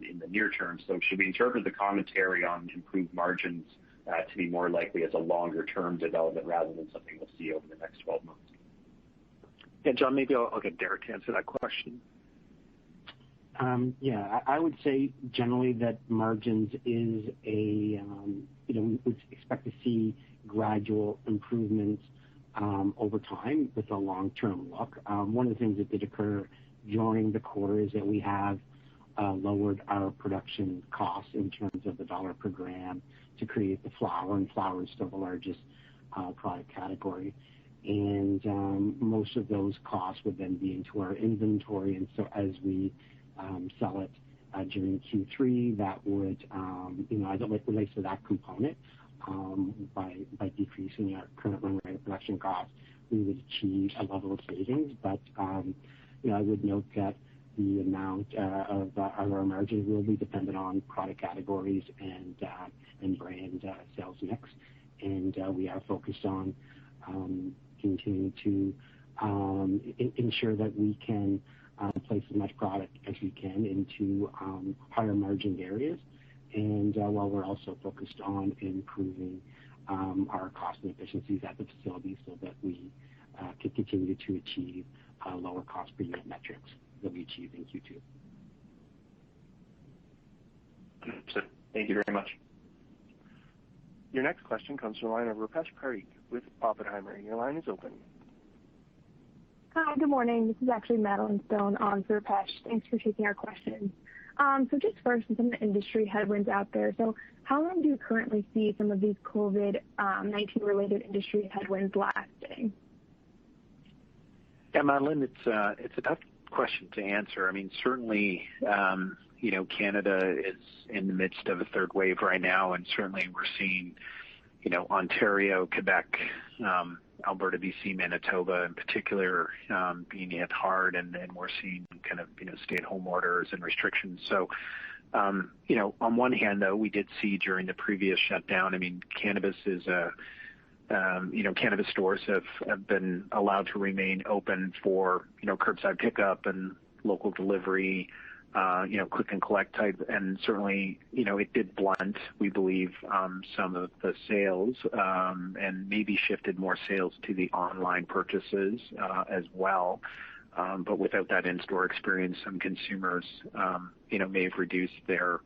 in the near term. Should we interpret the commentary on improved margins to be more likely as a longer-term development rather than something we'll see over the next 12 months? Yeah, John, maybe I'll get Derrick to answer that question. Yeah, I would say generally that margins, we expect to see gradual improvements over time with a long-term look. One of the things that did occur during the quarter is that we have lowered our production costs in terms of the CAD per gram to create the flower, and flower is still the largest product category. Most of those costs would then be into our inventory. As we sell it during Q3, as it relates to that component, by decreasing our current run rate of production costs, we would achieve a level of savings. I would note that the amount of our margin will be dependent on product categories and brand sales mix. We are focused on continuing to ensure that we can place as much product as we can into higher margin areas. While we're also focused on improving our cost and efficiencies at the facility so that we can continue to achieve lower cost per unit metrics that we achieved in Q2. Thank you very much. Your next question comes from the line of Rupesh Parikh with Oppenheimer. Your line is open. Hi, good morning. This is actually Madeleine Stone on for Rupesh. Thanks for taking our questions. Just first on some of the industry headwinds out there. How long do you currently see some of these COVID-19 related industry headwinds lasting? Yeah, Madeleine, it's a tough question to answer. Certainly we're seeing Ontario, Quebec, Alberta, B.C., Manitoba in particular, being hit hard, and we're seeing stay-at-home orders and restrictions. On one hand, though, we did see during the previous shutdown, cannabis stores have been allowed to remain open for curbside pickup and local delivery, click and collect type. Certainly, it did blunt, we believe, some of the sales. Maybe shifted more sales to the online purchases as well. Without that in-store experience, some consumers may have reduced their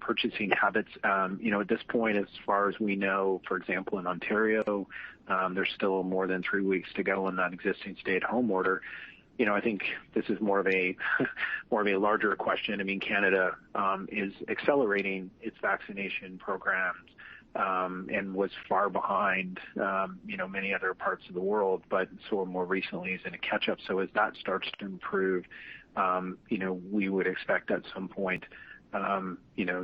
purchasing habits. At this point, as far as we know, for example, in Ontario, there's still more than 3 weeks to go on that existing stay-at-home order. I think this is more of a larger question. Canada is accelerating its vaccination programs, and was far behind many other parts of the world, but more recently is in a catch-up. As that starts to improve, we would expect at some point,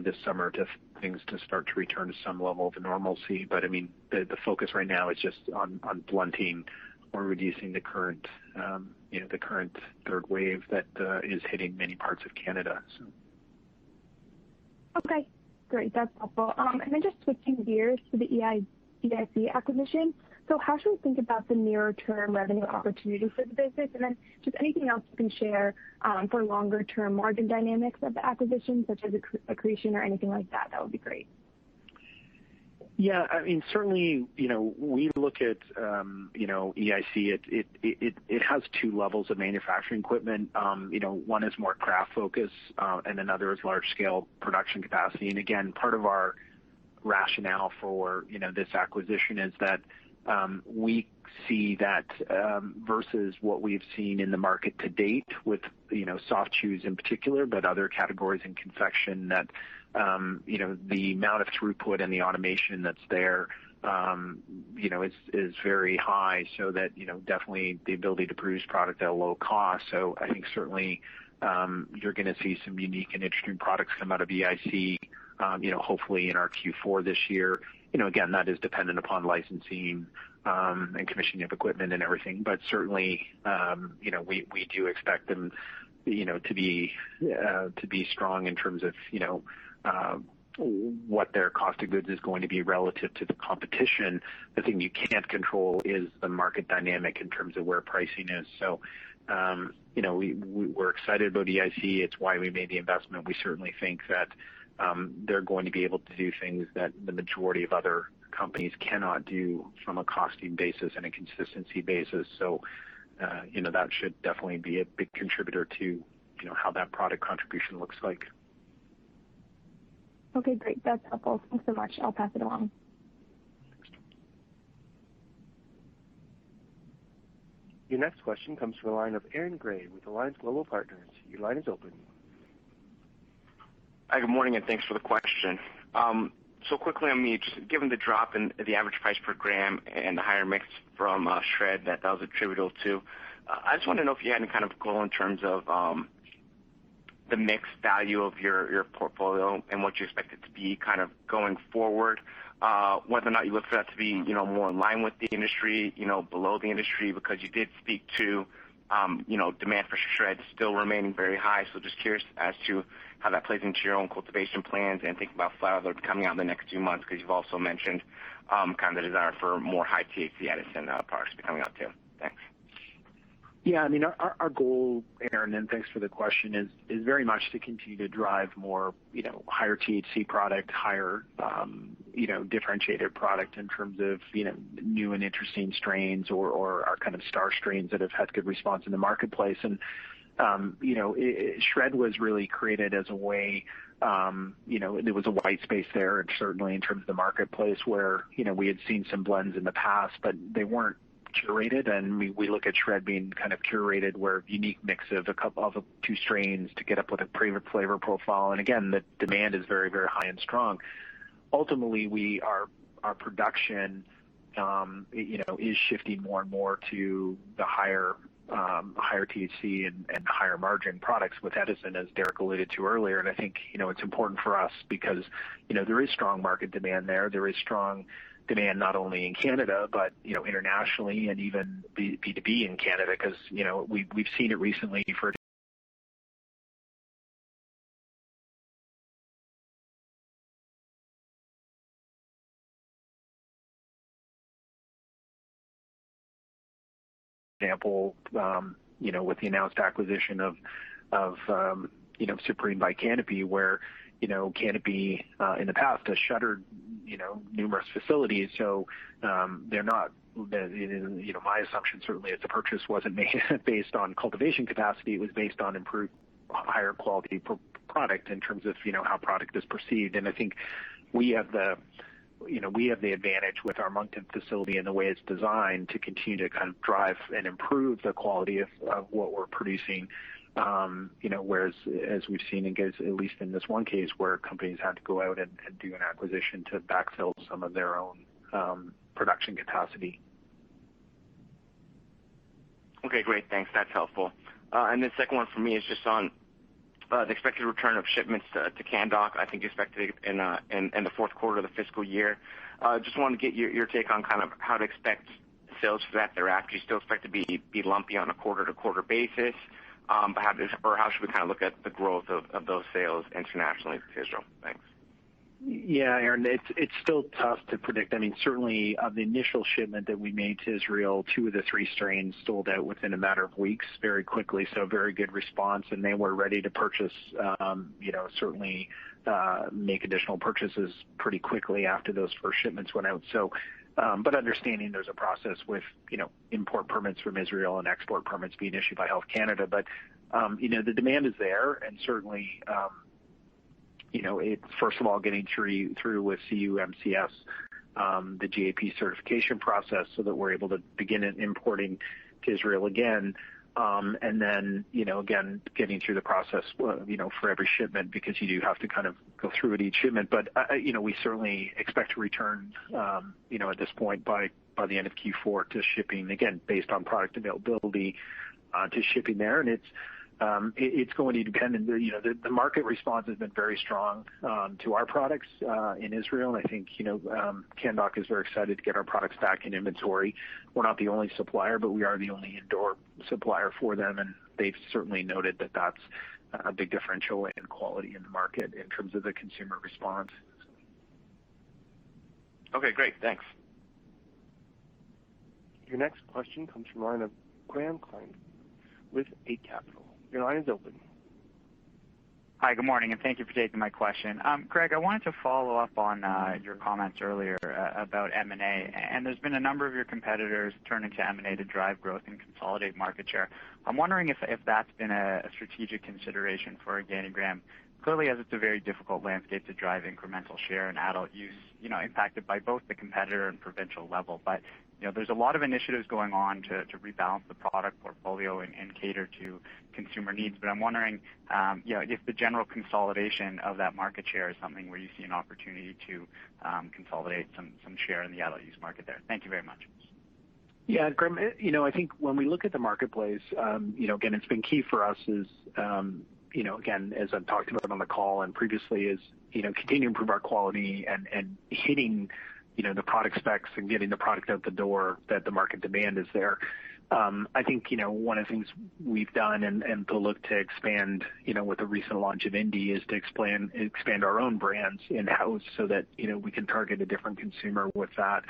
this summer, things to start to return to some level of normalcy. The focus right now is just on blunting or reducing the current third wave that is hitting many parts of Canada. Okay, great. That's helpful. Just switching gears to the EIC acquisition. How should we think about the near-term revenue opportunity for the business? Just anything else you can share for longer-term margin dynamics of the acquisition, such as accretion or anything like that would be great. Yeah. Certainly, we look at EIC, it has 2 levels of manufacturing equipment. One is more craft-focused, and another is large-scale production capacity. Again, part of our rationale for this acquisition is that we see that, versus what we have seen in the market to date with soft chews in particular, but other categories in confection, that the amount of throughput and the automation that is there is very high, definitely the ability to produce product at a low cost. I think certainly, you are going to see some unique and interesting products come out of EIC, hopefully in our Q4 this year. Again, that is dependent upon licensing and commissioning of equipment and everything. Certainly, we do expect them to be strong in terms of what their cost of goods is going to be relative to the competition. The thing you can't control is the market dynamic in terms of where pricing is. We're excited about EIC. It's why we made the investment. We certainly think that they're going to be able to do things that the majority of other companies cannot do from a costing basis and a consistency basis. That should definitely be a big contributor to how that product contribution looks like. Okay, great. That's helpful. Thanks so much. I'll pass it along. Your next question comes from the line of Aaron Grey with Alliance Global Partners. Your line is open. Hi, good morning, and thanks for the question. Quickly on the just given the drop in the average price per gram and the higher mix from SHRED that that was attributable to, I just wanted to know if you had any kind of goal in terms of the mix value of your portfolio and what you expect it to be going forward, whether or not you look for that to be more in line with the industry, below the industry, because you did speak to demand for SHRED still remaining very high. Just curious as to how that plays into your own cultivation plans and thinking about flower coming out in the next few months, because you've also mentioned the desire for more high-THC Edison products to be coming out too. Thanks. Yeah. Our goal, Aaron, and thanks for the question, is very much to continue to drive more higher THC product, higher differentiated product in terms of new and interesting strains or our kind of star strains that have had good response in the marketplace. SHRED was really created as a way There was a white space there, and certainly in terms of the marketplace, where we had seen some blends in the past, but they weren't curated, and we look at SHRED being kind of curated, where a unique mix of a couple of two strains to get up with a premium flavor profile. Again, the demand is very, very high and strong. Ultimately, our production is shifting more and more to the higher THC and the higher-margin products with Edison, as Derrick alluded to earlier. I think it's important for us because there is strong market demand there. There is strong demand not only in Canada but internationally and even B2B in Canada because we've seen it recently for example, with the announced acquisition of Supreme by Canopy, where Canopy, in the past, has shuttered numerous facilities. My assumption certainly is the purchase wasn't based on cultivation capacity. It was based on improved higher quality product in terms of how product is perceived. I think we have the advantage with our Moncton facility and the way it's designed to continue to drive and improve the quality of what we're producing, whereas as we've seen, at least in this one case, where companies had to go out and do an acquisition to backfill some of their own production capacity. Okay, great. Thanks. That's helpful. Second one for me is just on the expected return of shipments to Canndoc, I think expected in the fourth quarter of the fiscal year. Just wanted to get your take on how to expect sales for that thereafter. Do you still expect to be lumpy on a quarter-to-quarter basis? How should we look at the growth of those sales internationally to Israel? Thanks. Aaron, it's still tough to predict. Certainly, the initial shipment that we made to Israel, two of the three strains sold out within a matter of weeks very quickly, so very good response, and they were ready to certainly make additional purchases pretty quickly after those first shipments went out. Understanding there's a process with import permits from Israel and export permits being issued by Health Canada. The demand is there, and certainly, first of all, getting through with CUMCS-GAP, the GAP certification process so that we're able to begin importing to Israel again, and then again, getting through the process for every shipment because you do have to go through with each shipment. We certainly expect to return, at this point, by the end of Q4 to shipping, again, based on product availability to shipping there. The market response has been very strong to our products in Israel, and I think Canndoc is very excited to get our products back in inventory. We're not the only supplier, but we are the only indoor supplier for them, and they've certainly noted that that's a big differential in quality in the market in terms of the consumer response. Okay, great. Thanks. Your next question comes from the line of Graham Kreindler with Eight Capital. Your line is open. Hi, good morning, and thank you for taking my question. Greg, I wanted to follow up on your comments earlier about M&A. There's been a number of your competitors turning to M&A to drive growth and consolidate market share. I'm wondering if that's been a strategic consideration for OrganiGram. Clearly, as it's a very difficult landscape to drive incremental share in adult use, impacted by both the competitor and provincial level. There's a lot of initiatives going on to rebalance the product portfolio and cater to consumer needs. I'm wondering if the general consolidation of that market share is something where you see an opportunity to consolidate some share in the adult use market there. Thank you very much. Yeah, Graham. I think when we look at the marketplace, again, it's been key for us is, again, as I've talked about on the call and previously, is continue to improve our quality and hitting the product specs and getting the product out the door that the market demand is there. I think one of the things we've done, and to look to expand with the recent launch of Indi, is to expand our own brands in-house so that we can target a different consumer with that.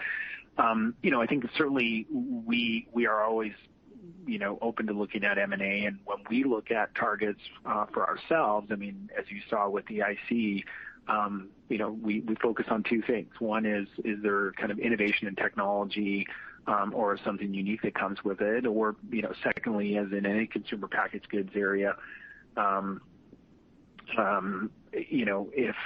I think certainly we are always open to looking at M&A. When we look at targets for ourselves, as you saw with the EIC, we focus on two things. One is there kind of innovation in technology or something unique that comes with it? Secondly, as in any consumer packaged goods area, if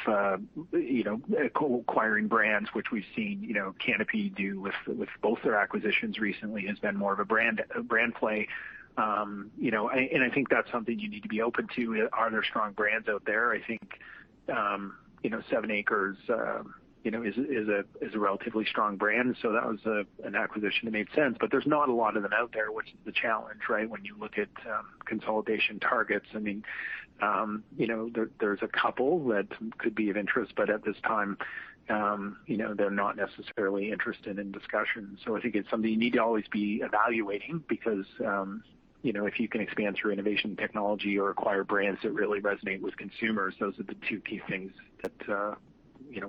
co-acquiring brands, which we've seen Canopy do with both their acquisitions recently, has been more of a brand play. I think that's something you need to be open to. Are there strong brands out there? I think 7ACRES is a relatively strong brand, so that was an acquisition that made sense, but there's not a lot of them out there, which is the challenge when you look at consolidation targets. There's a couple that could be of interest, but at this time, they're not necessarily interested in discussions. I think it's something you need to always be evaluating because if you can expand through innovation technology or acquire brands that really resonate with consumers, those are the two key things that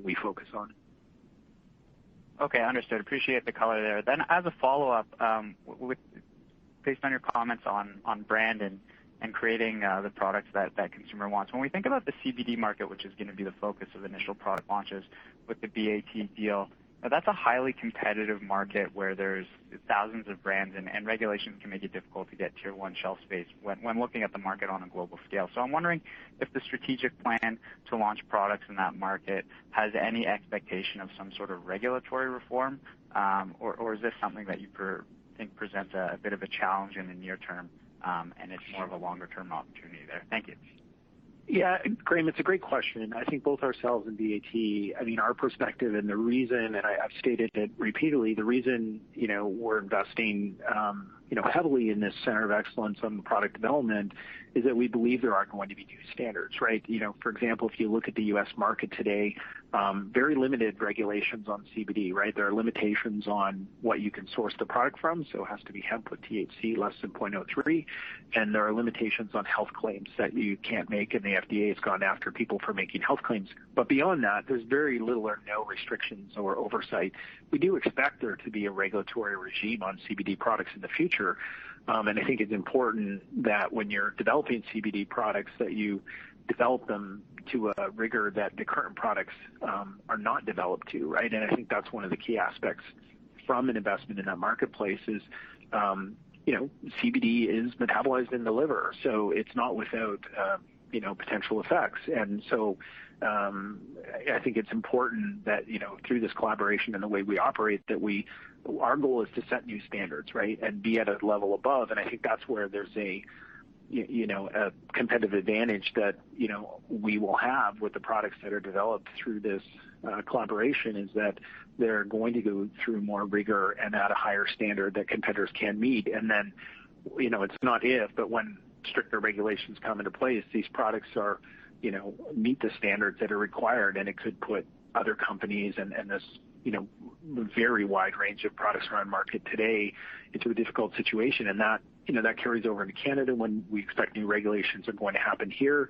we focus on. Okay, understood. Appreciate the color there. As a follow-up, based on your comments on brand and creating the products that that consumer wants, when we think about the CBD market, which is going to be the focus of initial product launches with the BAT deal, that's a highly competitive market where there's thousands of brands, and regulations can make it difficult to get tier 1 shelf space when looking at the market on a global scale. I'm wondering if the strategic plan to launch products in that market has any expectation of some sort of regulatory reform, or is this something that you think presents a bit of a challenge in the near term and it's more of a longer-term opportunity there? Thank you. Yeah, Graham, it's a great question. I think both ourselves and BAT, our perspective and the reason, and I've stated it repeatedly, the reason we're investing heavily in this center of excellence on product development is that we believe there are going to be new standards, right? For example, if you look at the U.S. market today, very limited regulations on CBD, right? There are limitations on what you can source the product from, so it has to be hemp with THC less than 0.03, and there are limitations on health claims that you can't make, and the FDA has gone after people for making health claims. Beyond that, there's very little or no restrictions or oversight. We do expect there to be a regulatory regime on CBD products in the future. I think it's important that when you're developing CBD products, that you develop them to a rigor that the current products are not developed to. I think that's one of the key aspects from an investment in that marketplace is CBD is metabolized in the liver, so it's not without potential effects. I think it's important that through this collaboration and the way we operate, that our goal is to set new standards and be at a level above, and I think that's where there's a competitive advantage that we will have with the products that are developed through this collaboration, is that they're going to go through more rigor and at a higher standard that competitors can't meet. It's not if, but when stricter regulations come into place, these products meet the standards that are required, and it could put other companies and this very wide range of products around market today into a difficult situation. That carries over into Canada when we expect new regulations are going to happen here.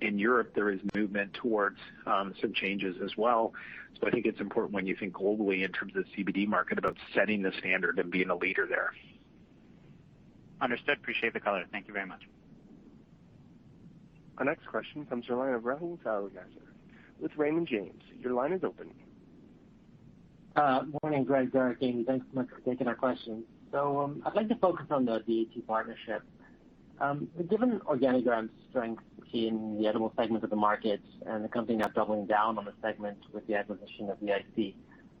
In Europe, there is movement towards some changes as well. I think it's important when you think globally in terms of the CBD market about setting the standard and being a leader there. Understood. Appreciate the color. Thank you very much. Our next question comes from the line of Rahul Sarugaser with Raymond James. Your line is open. Morning, Greg, Derrick. Thanks so much for taking our questions. I'd like to focus on the BAT partnership. Given OrganiGram's strength in the edible segment of the market and the company now doubling down on the segment with the acquisition of EIC,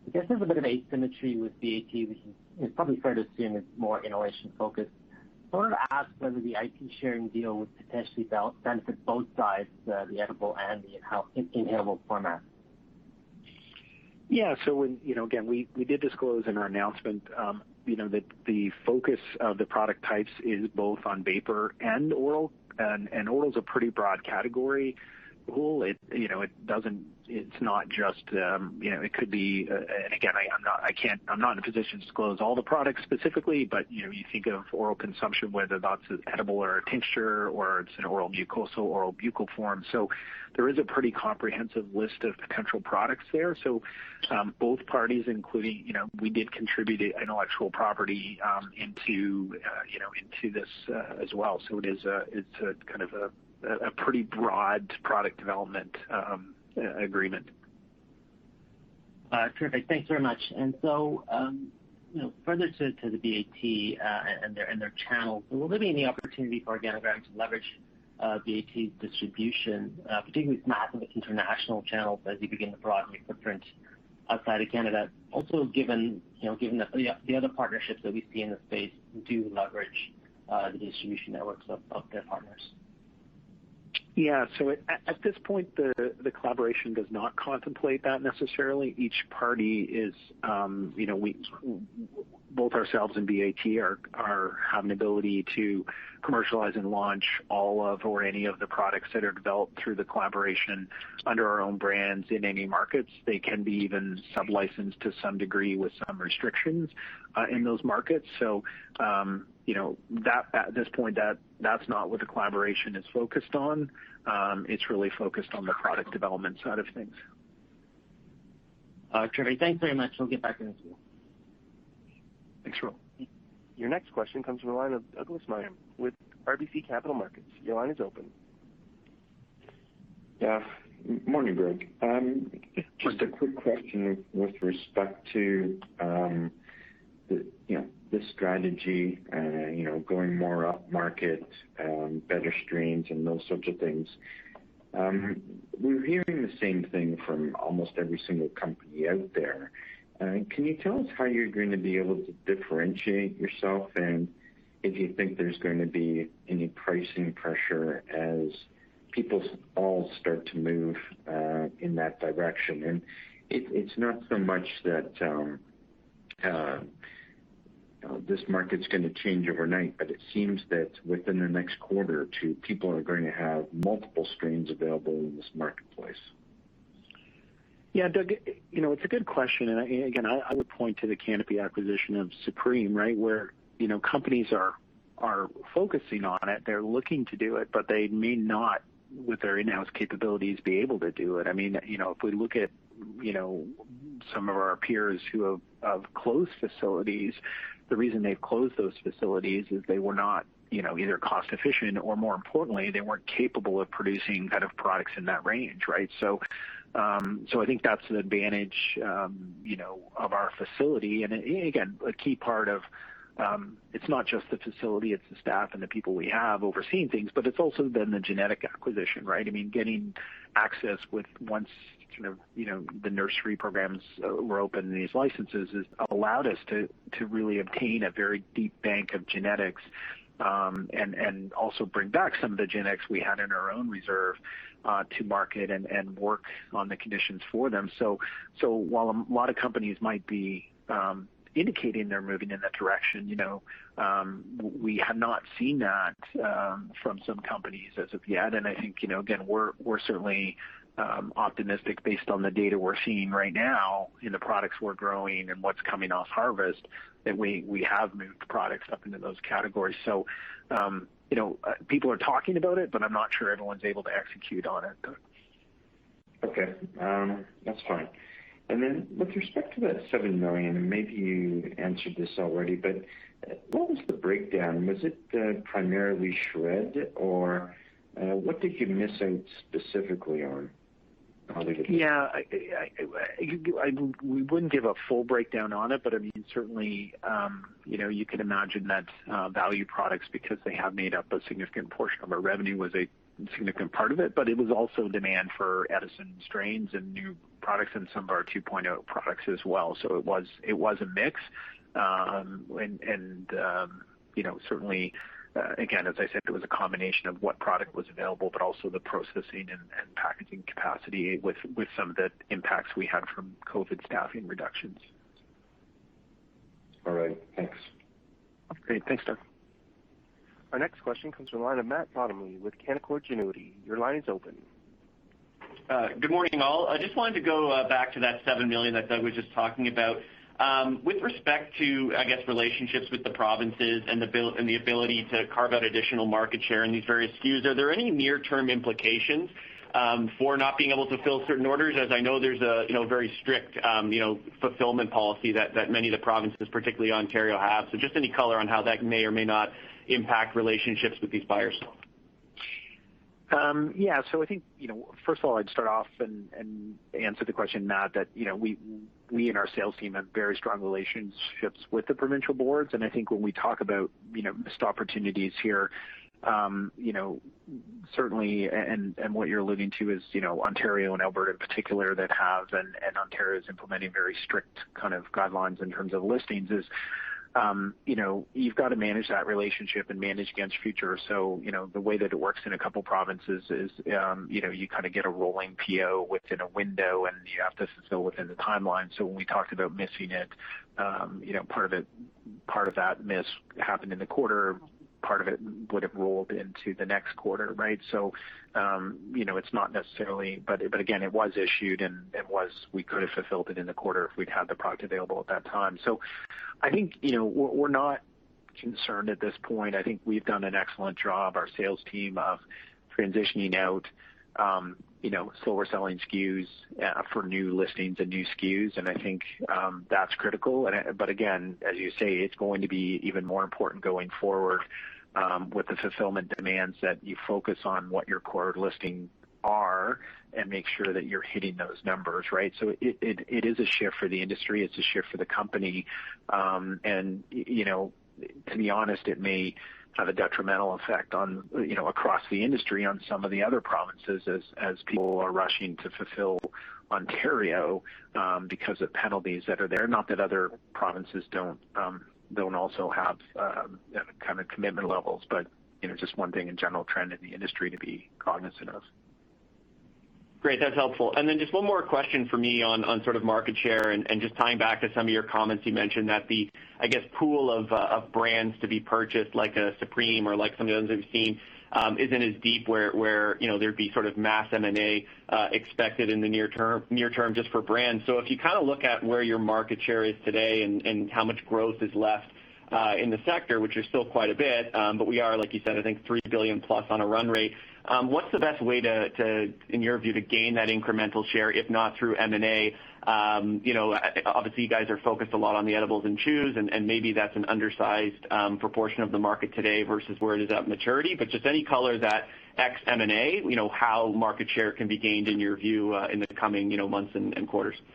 I guess there's a bit of asymmetry with BAT, which is probably fair to assume is more innovation-focused. Wanted to ask whether the IP sharing deal would potentially benefit both sides, the edible and the inhalable format. Yeah. Again, we did disclose in our announcement that the focus of the product types is both on vapor and oral. Oral is a pretty broad category. Oral, it's not just again, I'm not in a position to disclose all the products specifically, but you think of oral consumption, whether that's an edible or a tincture, or it's an oral mucosal, oral buccal form. There is a pretty comprehensive list of potential products there. Both parties including, we did contribute intellectual property into this as well. It's kind of a pretty broad product development agreement. Terrific. Thanks very much. Further to the BAT and their channels, will there be any opportunity for OrganiGram to leverage BAT's distribution, particularly its massive international channels, as you begin to broaden your footprint outside of Canada, also given the other partnerships that we see in the space do leverage the distribution networks of their partners? Yeah. At this point, the collaboration does not contemplate that necessarily. Both ourselves and BAT have an ability to commercialize and launch all of or any of the products that are developed through the collaboration under our own brands in any markets. They can be even sub-licensed to some degree with some restrictions in those markets. At this point, that's not what the collaboration is focused on. It's really focused on the product development side of things. Terrific. Thanks very much. I'll get back with you. Thanks, Rahul. Your next question comes from the line of Douglas Miehm with RBC Capital Markets. Your line is open. Yeah. Morning, Greg. Morning. Just a quick question with respect to the strategy, going more upmarket, better strains, and those sorts of things. We're hearing the same thing from almost every single company out there. Can you tell us how you're going to be able to differentiate yourself? If you think there's going to be any pricing pressure as people all start to move in that direction. It's not so much that this market's going to change overnight, but it seems that within the next quarter or two, people are going to have multiple strains available in this marketplace. Yeah, Doug, it's a good question, and again, I would point to the Canopy acquisition of Supreme, where companies are focusing on it. They're looking to do it, but they may not, with their in-house capabilities, be able to do it. If we look at some of our peers who have closed facilities, the reason they've closed those facilities is they were not either cost-efficient or, more importantly, they weren't capable of producing products in that range. I think that's an advantage of our facility. Again, a key part of it's not just the facility, it's the staff and the people we have overseeing things, but it's also been the genetic acquisition, right? Getting access with, once the nursery programs were open, and these licenses, has allowed us to really obtain a very deep bank of genetics, and also bring back some of the genetics we had in our own reserve to market and work on the conditions for them. While a lot of companies might be indicating they're moving in that direction, we have not seen that from some companies as of yet. I think, again, we're certainly optimistic based on the data we're seeing right now in the products we're growing and what's coming off harvest, that we have moved products up into those categories. People are talking about it, but I'm not sure everyone's able to execute on it, Doug. Okay. That's fine. Then with respect to that 7 million, maybe you answered this already, what was the breakdown? Was it primarily SHRED or what did you miss out specifically on? We wouldn't give a full breakdown on it, certainly, you could imagine that value products, because they have made up a significant portion of our revenue, was a significant part of it. It was also demand for Edison strains and new products and some of our 2.0 products as well. It was a mix. Certainly, again, as I said, it was a combination of what product was available, also the processing and packaging capacity with some of the impacts we had from COVID staffing reductions. All right. Thanks. Great. Thanks, Doug. Our next question comes from the line of Matt Bottomley with Canaccord Genuity. Your line is open. Good morning, all. I just wanted to go back to that 7 million that Doug was just talking about. With respect to, I guess, relationships with the provinces and the ability to carve out additional market share in these various SKUs, are there any near-term implications for not being able to fill certain orders? As I know, there's a very strict fulfillment policy that many of the provinces, particularly Ontario, have. Just any color on how that may or may not impact relationships with these buyers. I think, first of all, I'd start off and answer the question, Matt, that we and our sales team have very strong relationships with the provincial boards, and I think when we talk about missed opportunities here, certainly, and what you're alluding to is, Ontario and Alberta in particular, and Ontario is implementing very strict guidelines in terms of listings is, you've got to manage that relationship and manage against future. The way that it works in a couple provinces is, you get a rolling PO within a window, and you have to fulfill within the timeline. When we talked about missing it, part of that miss happened in the quarter, part of it would've rolled into the next quarter. Again, it was issued, and we could have fulfilled it in the quarter if we'd had the product available at that time. I think, we're not concerned at this point. I think we've done an excellent job, our sales team, of transitioning out slower-selling SKUs for new listings and new SKUs, and I think that's critical. Again, as you say, it's going to be even more important going forward with the fulfillment demands that you focus on what your core listings are, and make sure that you're hitting those numbers, right? It is a shift for the industry, it's a shift for the company. To be honest, it may have a detrimental effect across the industry on some of the other provinces as people are rushing to fulfill Ontario, because of penalties that are there. Not that other provinces don't also have commitment levels, but just one thing in general trend in the industry to be cognizant of. Great. That's helpful. Just one more question from me on sort of market share and just tying back to some of your comments. You mentioned that the, I guess, pool of brands to be purchased, like a Supreme or like some of the others we've seen, isn't as deep where there'd be sort of mass M&A expected in the near term just for brands. If you look at where your market share is today and how much growth is left in the sector, which is still quite a bit, but we are, like you said, I think 3 billion+ on a run rate. What's the best way, in your view, to gain that incremental share, if not through M&A? Obviously, you guys are focused a lot on the edibles and chews, and maybe that's an undersized proportion of the market today versus where it is at maturity. Just any color that X M&A, how market share can be gained in your view, in the coming months and quarters? Yeah,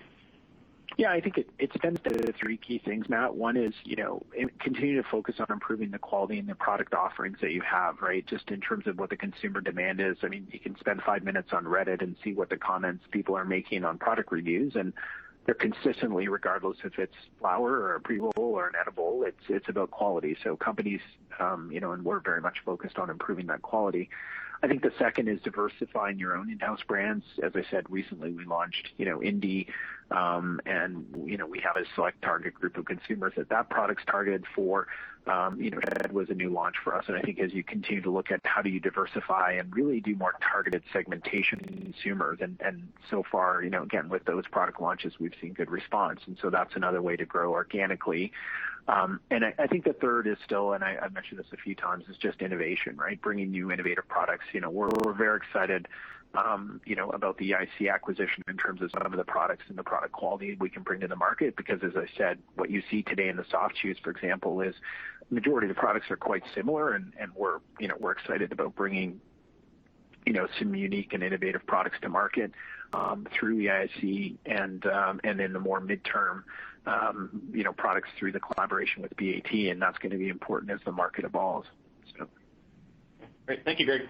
I think it's been the three key things, Matt. One is, continue to focus on improving the quality and the product offerings that you have, right? Just in terms of what the consumer demand is. You can spend five minutes on Reddit and see what the comments people are making on product reviews, and they're consistently, regardless if it's flower or a pre-roll or an edible, it's about quality. Companies and we're very much focused on improving that quality. I think the second is diversifying your own in-house brands. As I said, recently, we launched Indi, and we have a select target group of consumers that that product's targeted for. That was a new launch for us. I think as you continue to look at how do you diversify and really do more targeted segmentation consumers, and so far, again, with those product launches, we've seen good response. So that's another way to grow organically. I think the third is still, and I've mentioned this a few times, is just innovation, right? Bringing new innovative products. We're very excited about the EIC acquisition in terms of some of the products and the product quality we can bring to the market, because as I said, what you see today in the soft chews, for example, is majority of the products are quite similar, and we're excited about bringing some unique and innovative products to market, through EIC and then the more midterm products through the collaboration with BAT. That's going to be important as the market evolves, so Great. Thank you, Greg.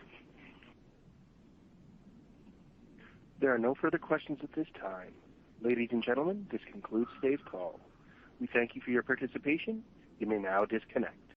There are no further questions at this time. Ladies and gentlemen, this concludes today's call. We thank you for your participation. You may now disconnect.